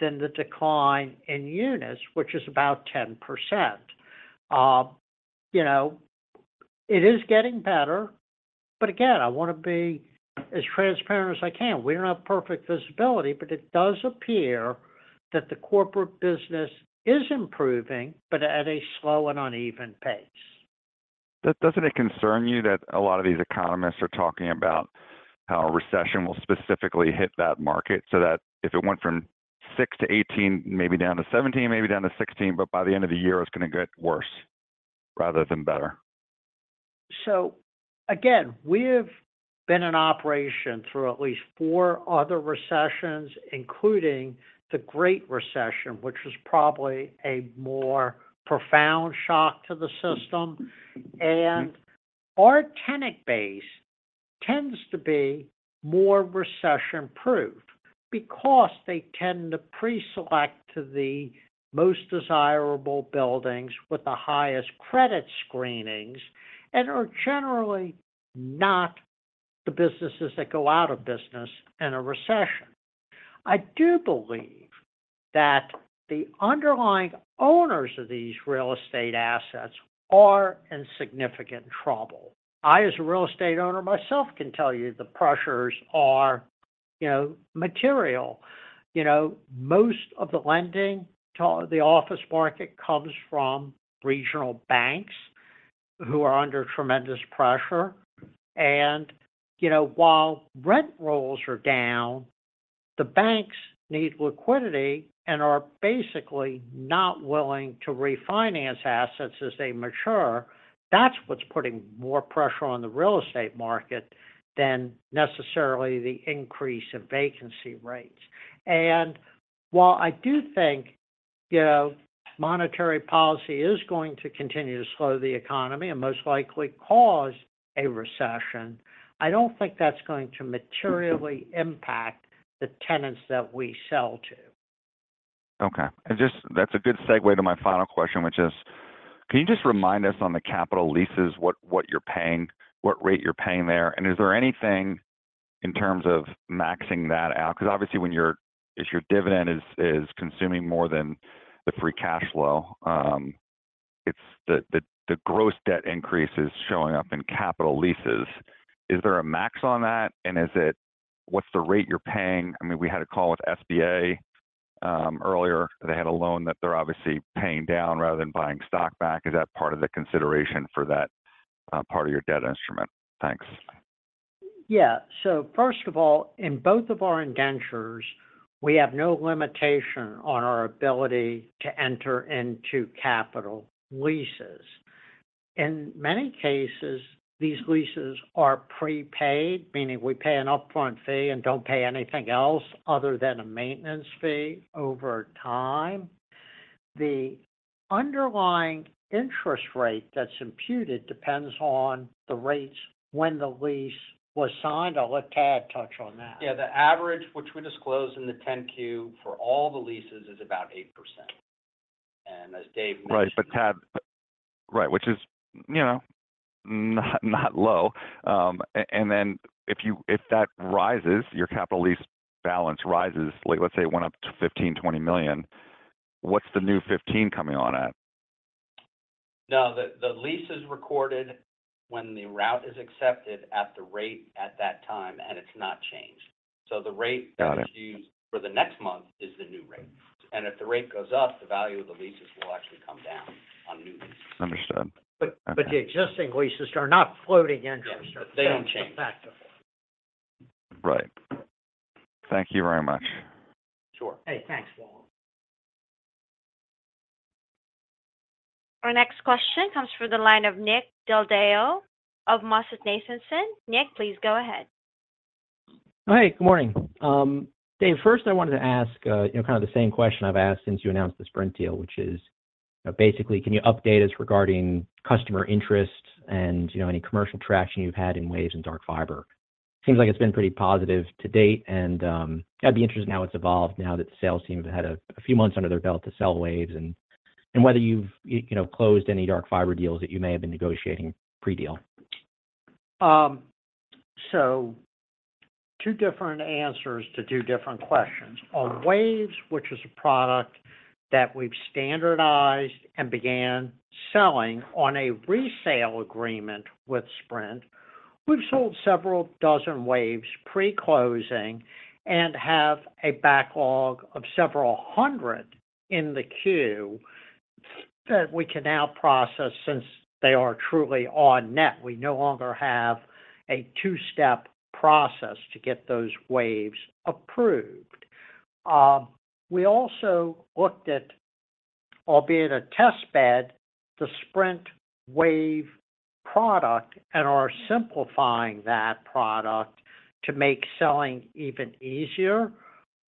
than the decline in units, which is about 10%. You know, it is getting better, but again, I wanna be as transparent as I can. We don't have perfect visibility, but it does appear that the corporate business is improving, but at a slow and uneven pace. Doesn't it concern you that a lot of these economists are talking about how a recession will specifically hit that market so that if it went from sis to 18, maybe down to 17, maybe down to 16, but by the end of the year, it's gonna get worse rather than better? Again, we have been in operation through at least four other recessions, including the Great Recession, which was probably a more profound shock to the system. Our tenant base tends to be more recession-proof because they tend to pre-select to the most desirable buildings with the highest credit screenings and are generally not the businesses that go out of business in a recession. I do believe that the underlying owners of these real estate assets are in significant trouble. I, as a real estate owner myself, can tell you the pressures are, you know, material. You know, most of the lending to the office market comes from regional banks who are under tremendous pressure. You know, while rent rolls are down, the banks need liquidity and are basically not willing to refinance assets as they mature. That's what's putting more pressure on the real estate market than necessarily the increase of vacancy rates. While I do think, you know, monetary policy is going to continue to slow the economy and most likely cause a recession, I don't think that's going to materially impact the tenants that we sell to. Okay. That's a good segue to my final question, which is, can you just remind us on the capital leases, what you're paying, what rate you're paying there? Is there anything in terms of maxing that out? 'Cause obviously if your dividend is consuming more than the free cash flow, the gross debt increase is showing up in capital leases. Is there a max on that? What's the rate you're paying? I mean, we had a call with SBA earlier. They had a loan that they're obviously paying down rather than buying stock back. Is that part of the consideration for that part of your debt instrument? Thanks. First of all, in both of our indentures, we have no limitation on our ability to enter into capital leases. In many cases, these leases are prepaid, meaning we pay an upfront fee and don't pay anything else other than a maintenance fee over time. The underlying interest rate that's imputed depends on the rates when the lease was signed. I'll let Tad touch on that. Yeah. The average, which we disclose in the 10-Q for all the leases is about 8%. As Dave mentioned. Right. Tad. Right. Which is, you know, not low. If you if that rises, your capital lease balance rises, like let's say it went up to 15, 20 million, what's the new 15 coming on at? No, the lease is recorded when the route is accepted at the rate at that time, and it's not changed. The rate. Got it. That was used for the next month is the new rate. If the rate goes up, the value of the leases will actually come down on new leases. Understood. Okay. The existing leases are not floating interest rates. Yeah. They don't change. They're fixed. Right. Thank you very much. Sure. Hey, thanks, Walt. Our next question comes from the line of Nick Del Deo of MoffettNathanson. Nick, please go ahead. Hi, good morning. Dave, first I wanted to ask, you know, kind of the same question I've asked since you announced the Sprint deal, which is, you know, basically, can you update us regarding customer interest and, you know, any commercial traction you've had in Waves and Dark Fiber? Seems like it's been pretty positive to date, and I'd be interested in how it's evolved now that the sales team have had a few months under their belt to sell Waves and whether you've, you know, closed any Dark Fiber deals that you may have been negotiating pre-deal. On Waves, which is a product that we've standardized and began selling on a resale agreement with Sprint, we've sold several dozen Waves pre-closing and have a backlog of several hundred in the queue that we can now process since they are truly on-net. We no longer have a two-step process to get those Waves approved. We also looked at, albeit a test bed, the Sprint Wave product and are simplifying that product to make selling even easier.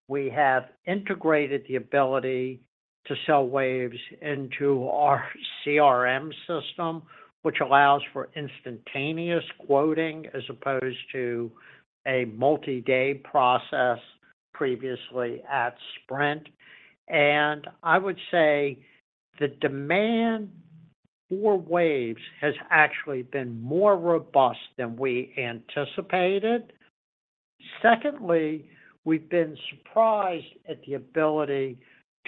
We have integrated the ability to sell Waves into our CRM system, which allows for instantaneous quoting as opposed to a multi-day process previously at Sprint. I would say the demand for Waves has actually been more robust than we anticipated. We've been surprised at the ability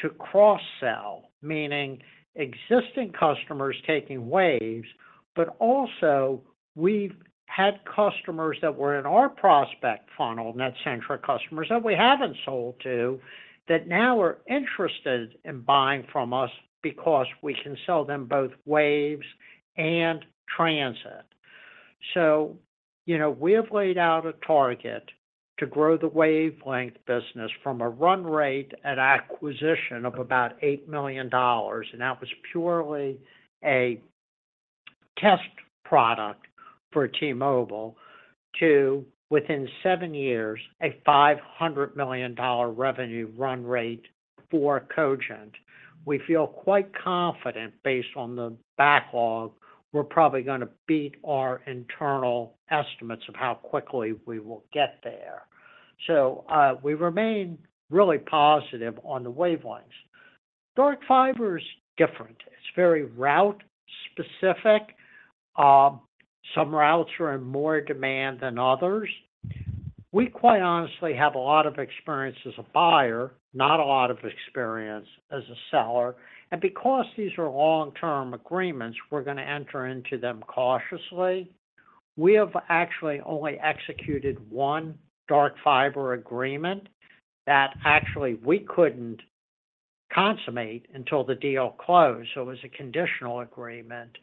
to cross-sell, meaning existing customers taking Waves, but also we've had customers that were in our prospect funnel, NetCentric customers that we haven't sold to, that now are interested in buying from us because we can sell them both Waves and Transit. You know, we have laid out a target to grow the Wavelengths business from a run rate at acquisition of about $8 million, and that was purely a test product for T-Mobile, to within seven years, a $500 million revenue run rate for Cogent. We feel quite confident based on the backlog, we're probably gonna beat our internal estimates of how quickly we will get there. We remain really positive on the Wavelengths. Dark Fiber is different. It's very route specific. Some routes are in more demand than others. We quite honestly have a lot of experience as a buyer, not a lot of experience as a seller. Because these are long-term agreements, we're gonna enter into them cautiously. We have actually only executed one dark fiber agreement that actually we couldn't consummate until the deal closed, so it was a conditional agreement.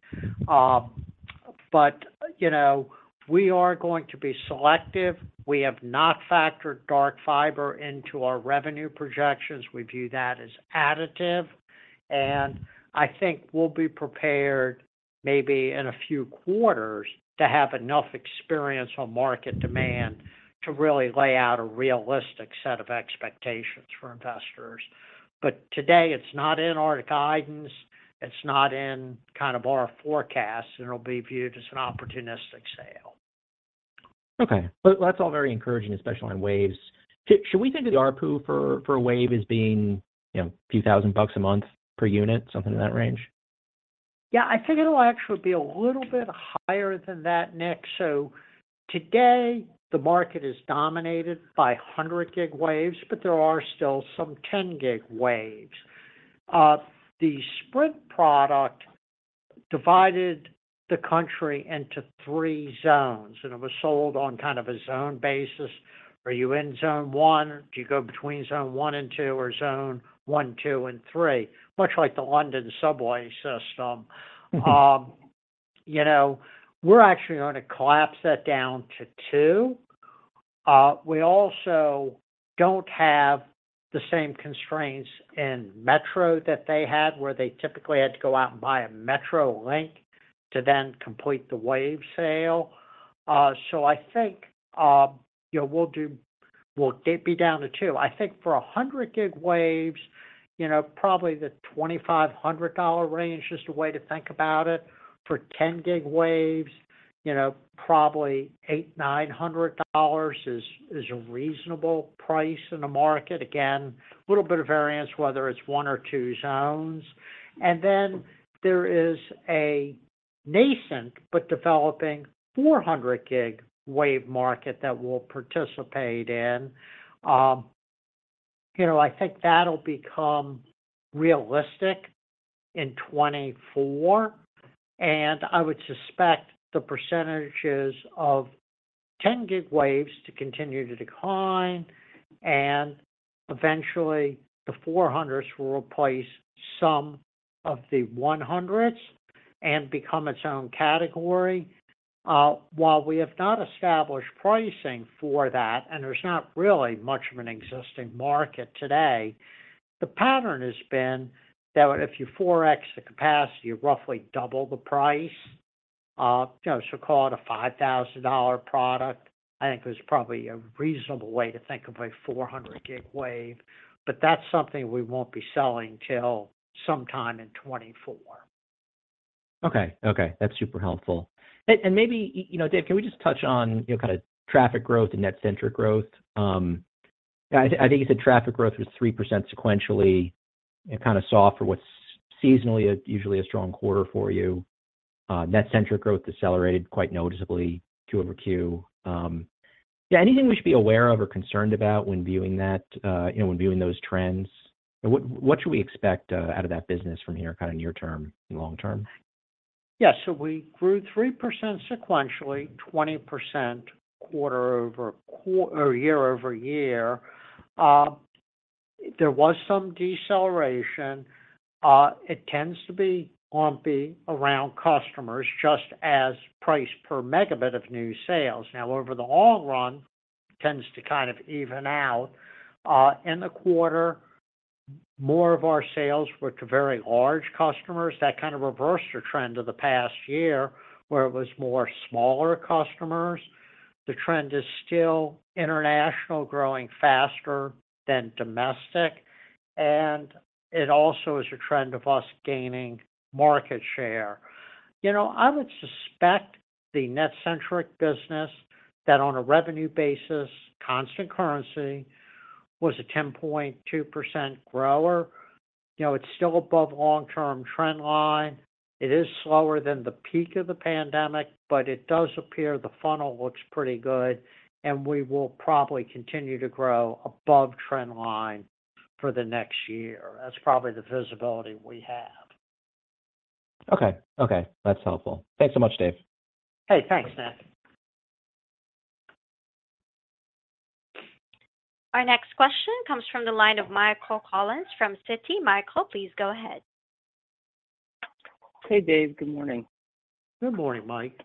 You know, we are going to be selective. We have not factored dark fiber into our revenue projections. We view that as additive. I think we'll be prepared maybe in a few quarters to have enough experience on market demand to really lay out a realistic set of expectations for investors. Today, it's not in our guidance, it's not in kind of our forecast, and it'll be viewed as an opportunistic sale. Okay. Well, that's all very encouraging, especially on Waves. Should we think of the ARPU for Waves as being, you know, a few thousand bucks a month per unit, something in that range? Yeah. I think it'll actually be a little bit higher than that, Nick. Today, the market is dominated by 100 gig waves, but there are still some 10 gig waves. The Sprint product divided the country into three zones, and it was sold on kind of a zone basis. Are you in zone one? Do you go between zone one and two, or zone one, two, and three? Much like the London subway system. You know, we're actually gonna collapse that down to 2. We also don't have the same constraints in Metro that they had, where they typically had to go out and buy a Metro link to then complete the wave sale. I think, you know, we'll it be down to two. I think for 100 gig Waves, you know, probably the $2,500 range is the way to think about it. For 10 gig Waves, you know, probably $800-$900 is a reasonable price in the market. Again, little bit of variance whether it's one or two zones. There is a nascent but developing 400 gig Wave market that we'll participate in. You know, I think that'll become realistic in 2024, and I would suspect the percentages of 10 gig Waves to continue to decline And eventually the 400s will replace some of the 100s and become its own category. While we have not established pricing for that, and there's not really much of an existing market today, the pattern has been that if you 4x the capacity, you roughly double the price. You know, call it a $5,000 product, I think is probably a reasonable way to think of a 400 gig wave. That's something we won't be selling till sometime in 2024. Okay. Okay, that's super helpful. Maybe, you know, Dave, can we just touch on, you know, kinda traffic growth and NetCentric growth? I think you said traffic growth was 3% sequentially, and kinda soft for what's seasonally usually a strong quarter for you. NetCentric growth decelerated quite noticeably quarter-over-quarter. Yeah, anything we should be aware of or concerned about when viewing that, you know, when viewing those trends? What should we expect out of that business from here kinda near term and long term? We grew 3% sequentially, 20% quarter-over-quarter or year-over-year. There was some deceleration. It tends to be lumpy around customers, just as price per megabit of new sales. Over the long run, tends to kind of even out. In the quarter, more of our sales were to very large customers. That kind of reversed the trend of the past year, where it was more smaller customers. The trend is still international growing faster than domestic, and it also is a trend of us gaining market share. You know, I would suspect the NetCentric business that on a revenue basis, constant currency, was a 10.2% grower. You know, it's still above long-term trend line. It is slower than the peak of the pandemic, but it does appear the funnel looks pretty good, and we will probably continue to grow above trend line for the next year. That's probably the visibility we have. Okay. Okay, that's helpful. Thanks so much, Dave. Hey, thanks, Nick. Our next question comes from the line of Michael Rollins from Citi. Michael, please go ahead. Hey, Dave. Good morning. Good morning, Mike.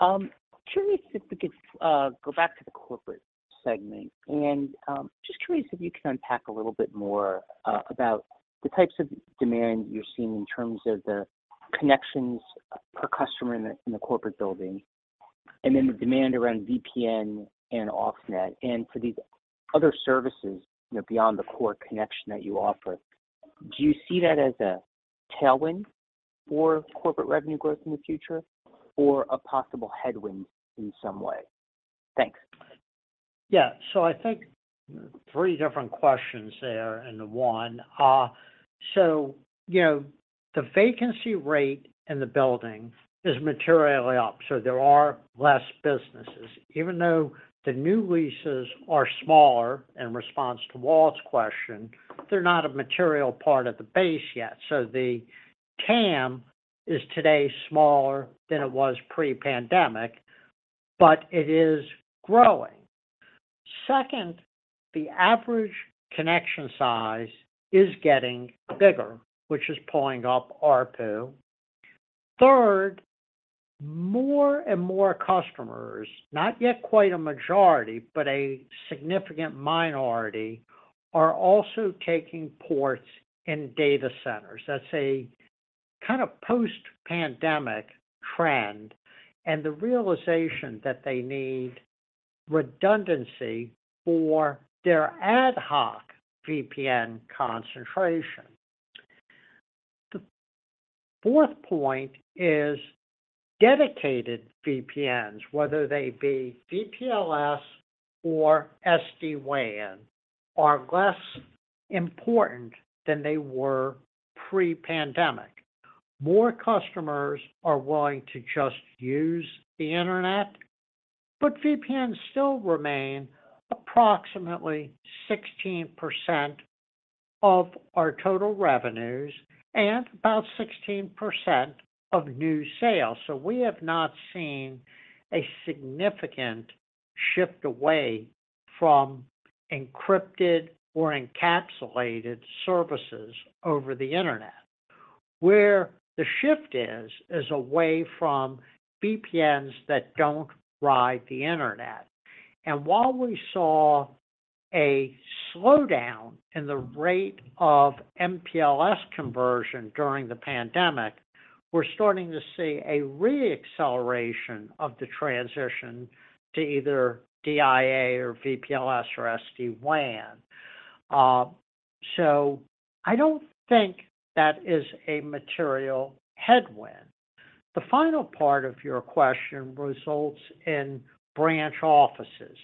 Curious if we could go back to the corporate segment. Just curious if you can unpack a little bit more about the types of demand you're seeing in terms of the connections per customer in the, in the corporate building, and then the demand around VPN and Offnet. For these other services, you know, beyond the core connection that you offer, do you see that as a tailwind for corporate revenue growth in the future or a possible headwind in some way? Thanks. Yeah. I think three different questions there into one. You know, the vacancy rate in the building is materially up, so there are less businesses. Even though the new leases are smaller, in response to Walt's question, they're not a material part of the base yet. The TAM is today smaller than it was pre-pandemic, but it is growing. Second, the average connection size is getting bigger, which is pulling up ARPU. Third, more and more customers, not yet quite a majority, but a significant minority, are also taking ports in data centers. That's a kind of post-pandemic trend, and the realization that they need redundancy for their ad hoc VPN concentration. The fourth point is dedicated VPNs, whether they be VPLS or SD-WAN, are less important than they were pre-pandemic. More customers are willing to just use the internet, but VPNs still remain approximately 16% of our total revenues and about 16% of new sales. We have not seen a significant shift away from encrypted or encapsulated services over the internet. Where the shift is away from VPNs that don't ride the internet. While we saw a slowdown in the rate of MPLS conversion during the pandemic, we're starting to see a re-acceleration of the transition to either DIA or VPLS or SD-WAN. I don't think that is a material headwind. The final part of your question results in branch offices.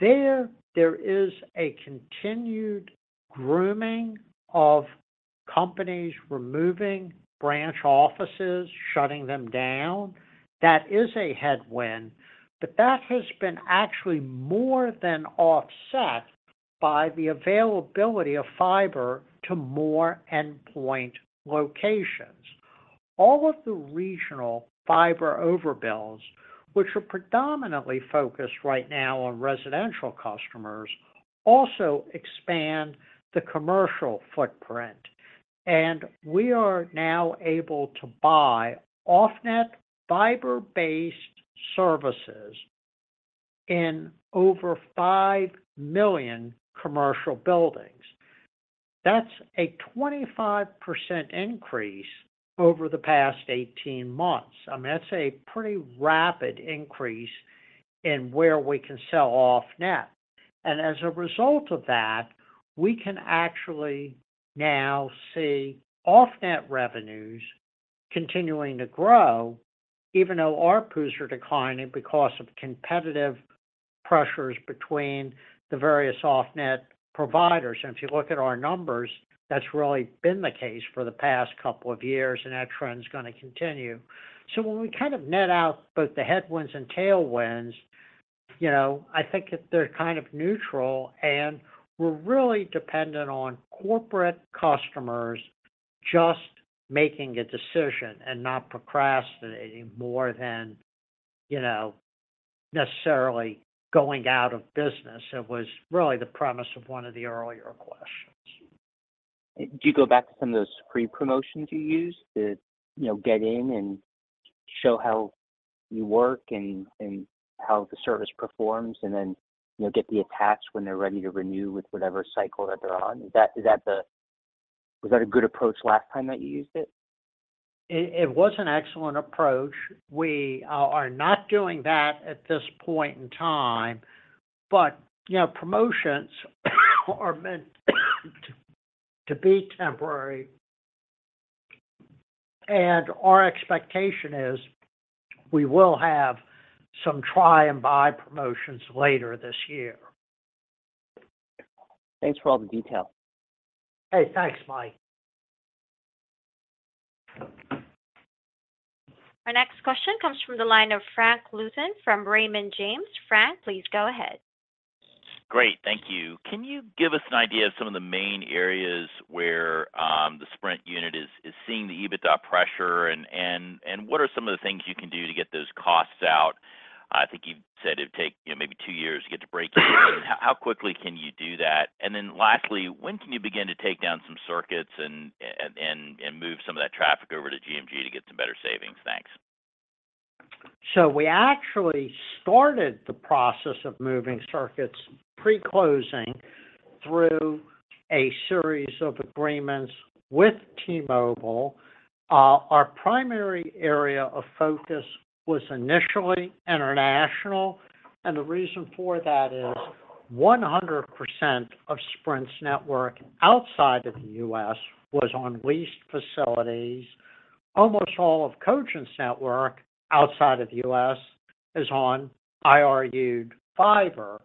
There is a continued grooming of companies removing branch offices, shutting them down. That is a headwind, but that has been actually more than offset by the availability of fiber to more endpoint locations. All of the regional fiber over builds, which are predominantly focused right now on residential customers, also expand the commercial footprint. We are now able to buy off-net fiber-based services in over 5 million commercial buildings. That's a 25% increase over the past 18 months. I mean, that's a pretty rapid increase in where we can sell off-net. As a result of that, we can actually now see off-net revenues continuing to grow, even though ARPUs are declining because of competitive pressures between the various off-net providers. If you look at our numbers, that's really been the case for the past couple of years, and that trend is gonna continue. When we kind of net out both the headwinds and tailwinds, you know, I think that they're kind of neutral, and we're really dependent on corporate customers just making a decision and not procrastinating more than, you know, necessarily going out of business. It was really the premise of one of the earlier questions. Do you go back to some of those free promotions you used to, you know, get in and show how you work and how the service performs and then, you know, get the attach when they're ready to renew with whatever cycle that they're on? Is that, was that a good approach last time that you used it? It was an excellent approach. We are not doing that at this point in time. You know, promotions are meant to be temporary. Our expectation is we will have some try and buy promotions later this year. Thanks for all the detail. Hey, thanks, Mike. Our next question comes from the line of Frank Louthan from Raymond James. Frank, please go ahead. Great. Thank you. Can you give us an idea of some of the main areas where the Sprint unit is seeing the EBITDA pressure and what are some of the things you can do to get those costs out? I think you've said it'd take, you know, maybe two years to get to breakeven. How quickly can you do that? Then lastly, when can you begin to take down some circuits and move some of that traffic over to Cogent to get some better savings? Thanks. We actually started the process of moving circuits pre-closing through a series of agreements with T-Mobile. Our primary area of focus was initially international. The reason for that is 100% of Sprint's network outside of the U.S. was on leased facilities. Almost all of Cogent's network outside of the U.S. is on IRUed fiber.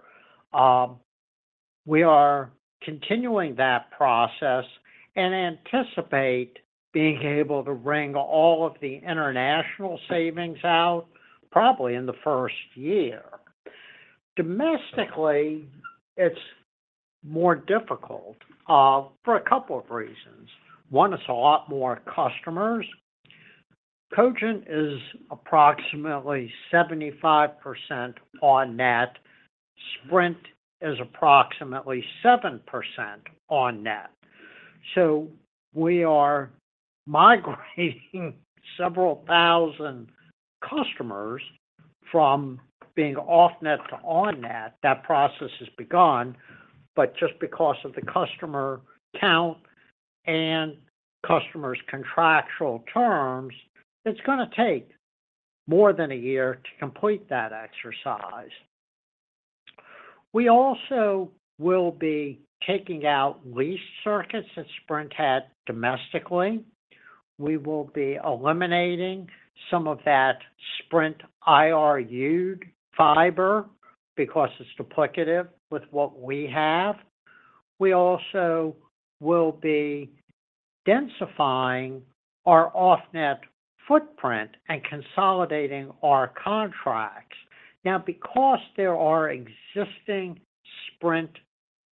We are continuing that process and anticipate being able to wring all of the international savings out probably in the first year. Domestically, it's more difficult for a couple of reasons. One, it's a lot more customers. Cogent is approximately 75% on net. Sprint is approximately 7% on net. We are migrating several thousand customers from being off-net to on net. That process has begun, just because of the customer count and customers' contractual terms, it's going to take more than a year to complete that exercise. We also will be taking out lease circuits that Sprint had domestically. We will be eliminating some of that Sprint IRUed fiber because it's duplicative with what we have. We also will be densifying our off-net footprint and consolidating our contracts. Now, because there are existing Sprint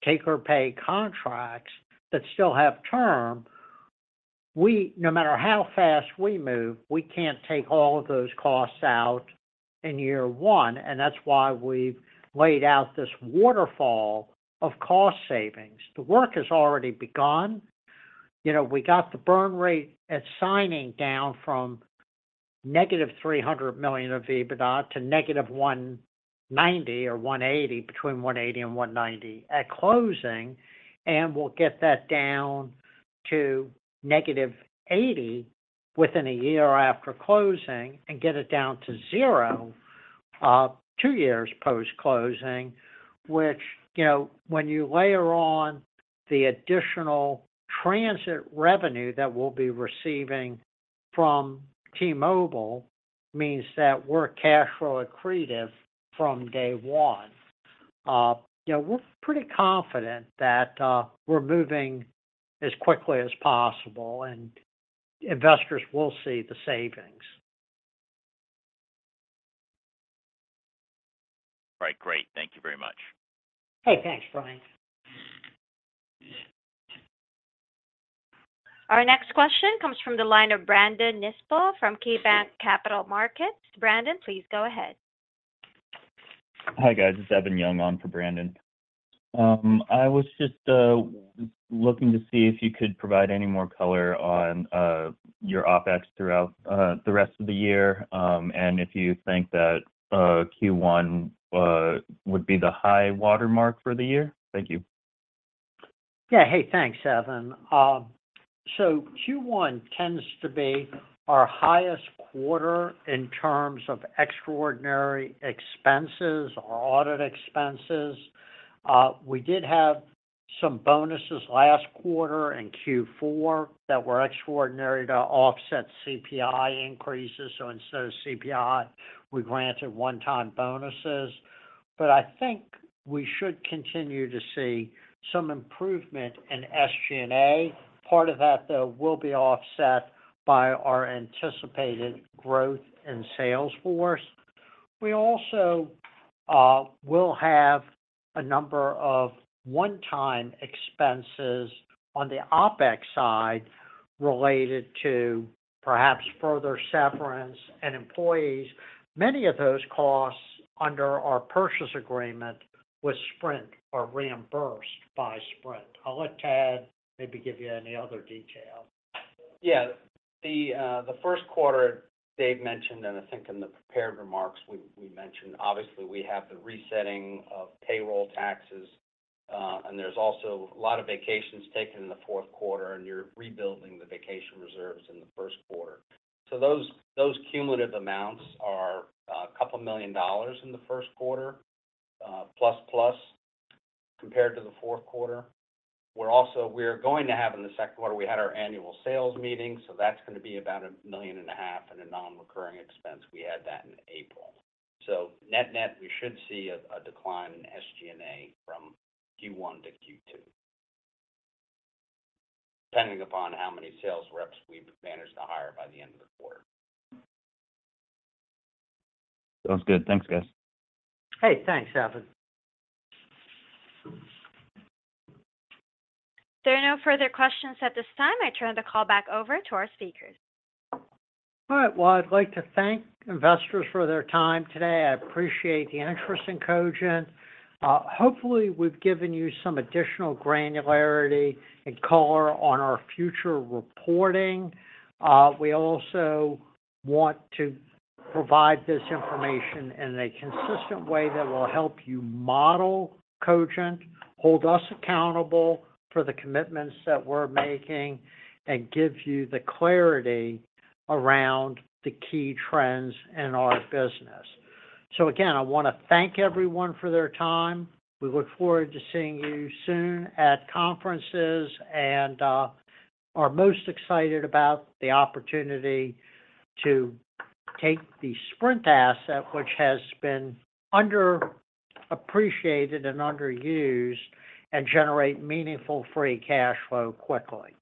take or pay contracts that still have term, no matter how fast we move, we can't take all of those costs out in year 1, and that's why we've laid out this waterfall of cost savings. The work has already begun. You know, we got the burn rate at signing down from negative $300 million of EBITDA to negative $190 or $180, between $180 and $190 at closing, and we'll get that down to negative $80 within a year after closing and get it down to $0, two years post-closing. Which, you know, when you layer on the additional transit revenue that we'll be receiving from T-Mobile means that we're cash flow accretive from day one. You know, we're pretty confident that we're moving as quickly as possible, and investors will see the savings. Right. Great. Thank you very much. Hey, thanks, Frank. Our next question comes from the line of Brandon Nispel from KeyBanc Capital Markets. Brandon, please go ahead. Hi, guys. It's Evan Young on for Brandon. I was just looking to see if you could provide any more color on your OpEx throughout the rest of the year, and if you think that Q1 would be the high watermark for the year. Thank you. Hey, thanks, Evan. Q1 tends to be our highest quarter in terms of extraordinary expenses or audit expenses. We did have some bonuses last quarter in Q4 that were extraordinary to offset CPI increases, so instead of CPI, we granted one-time bonuses. I think we should continue to see some improvement in SG&A. Part of that, though, will be offset by our anticipated growth in sales force. We also will have a number of one-time expenses on the OpEx side related to perhaps further severance and employees. Many of those costs under our purchase agreement with Sprint are reimbursed by Sprint. I'll let Tad maybe give you any other detail. The first quarter Dave mentioned, I think in the prepared remarks we mentioned, obviously we have the resetting of payroll taxes, and there's also a lot of vacations taken in the fourth quarter, and you're rebuilding the vacation reserves in the first quarter. Those cumulative amounts are $2 million in the first quarter, plus compared to the fourth quarter. We're going to have in the second quarter, we had our annual sales meeting, that's gonna be about $1.5 million in a non-recurring expense. We had that in April. Net-net, we should see a decline in SG&A from Q1 to Q2, depending upon how many sales reps we've managed to hire by the end of the quarter. Sounds good. Thanks, guys. Hey, thanks, Evan. There are no further questions at this time. I turn the call back over to our speakers. All right. Well, I'd like to thank investors for their time today. I appreciate the interest in Cogent. Hopefully we've given you some additional granularity and color on our future reporting. We also want to provide this information in a consistent way that will help you model Cogent, hold us accountable for the commitments that we're making, and give you the clarity around the key trends in our business. Again, I wanna thank everyone for their time. We look forward to seeing you soon at conferences and are most excited about the opportunity to take the Sprint asset, which has been underappreciated and underused, and generate meaningful free cash flow quickly.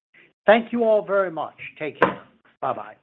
Thank you all very much. Take care. Bye-bye.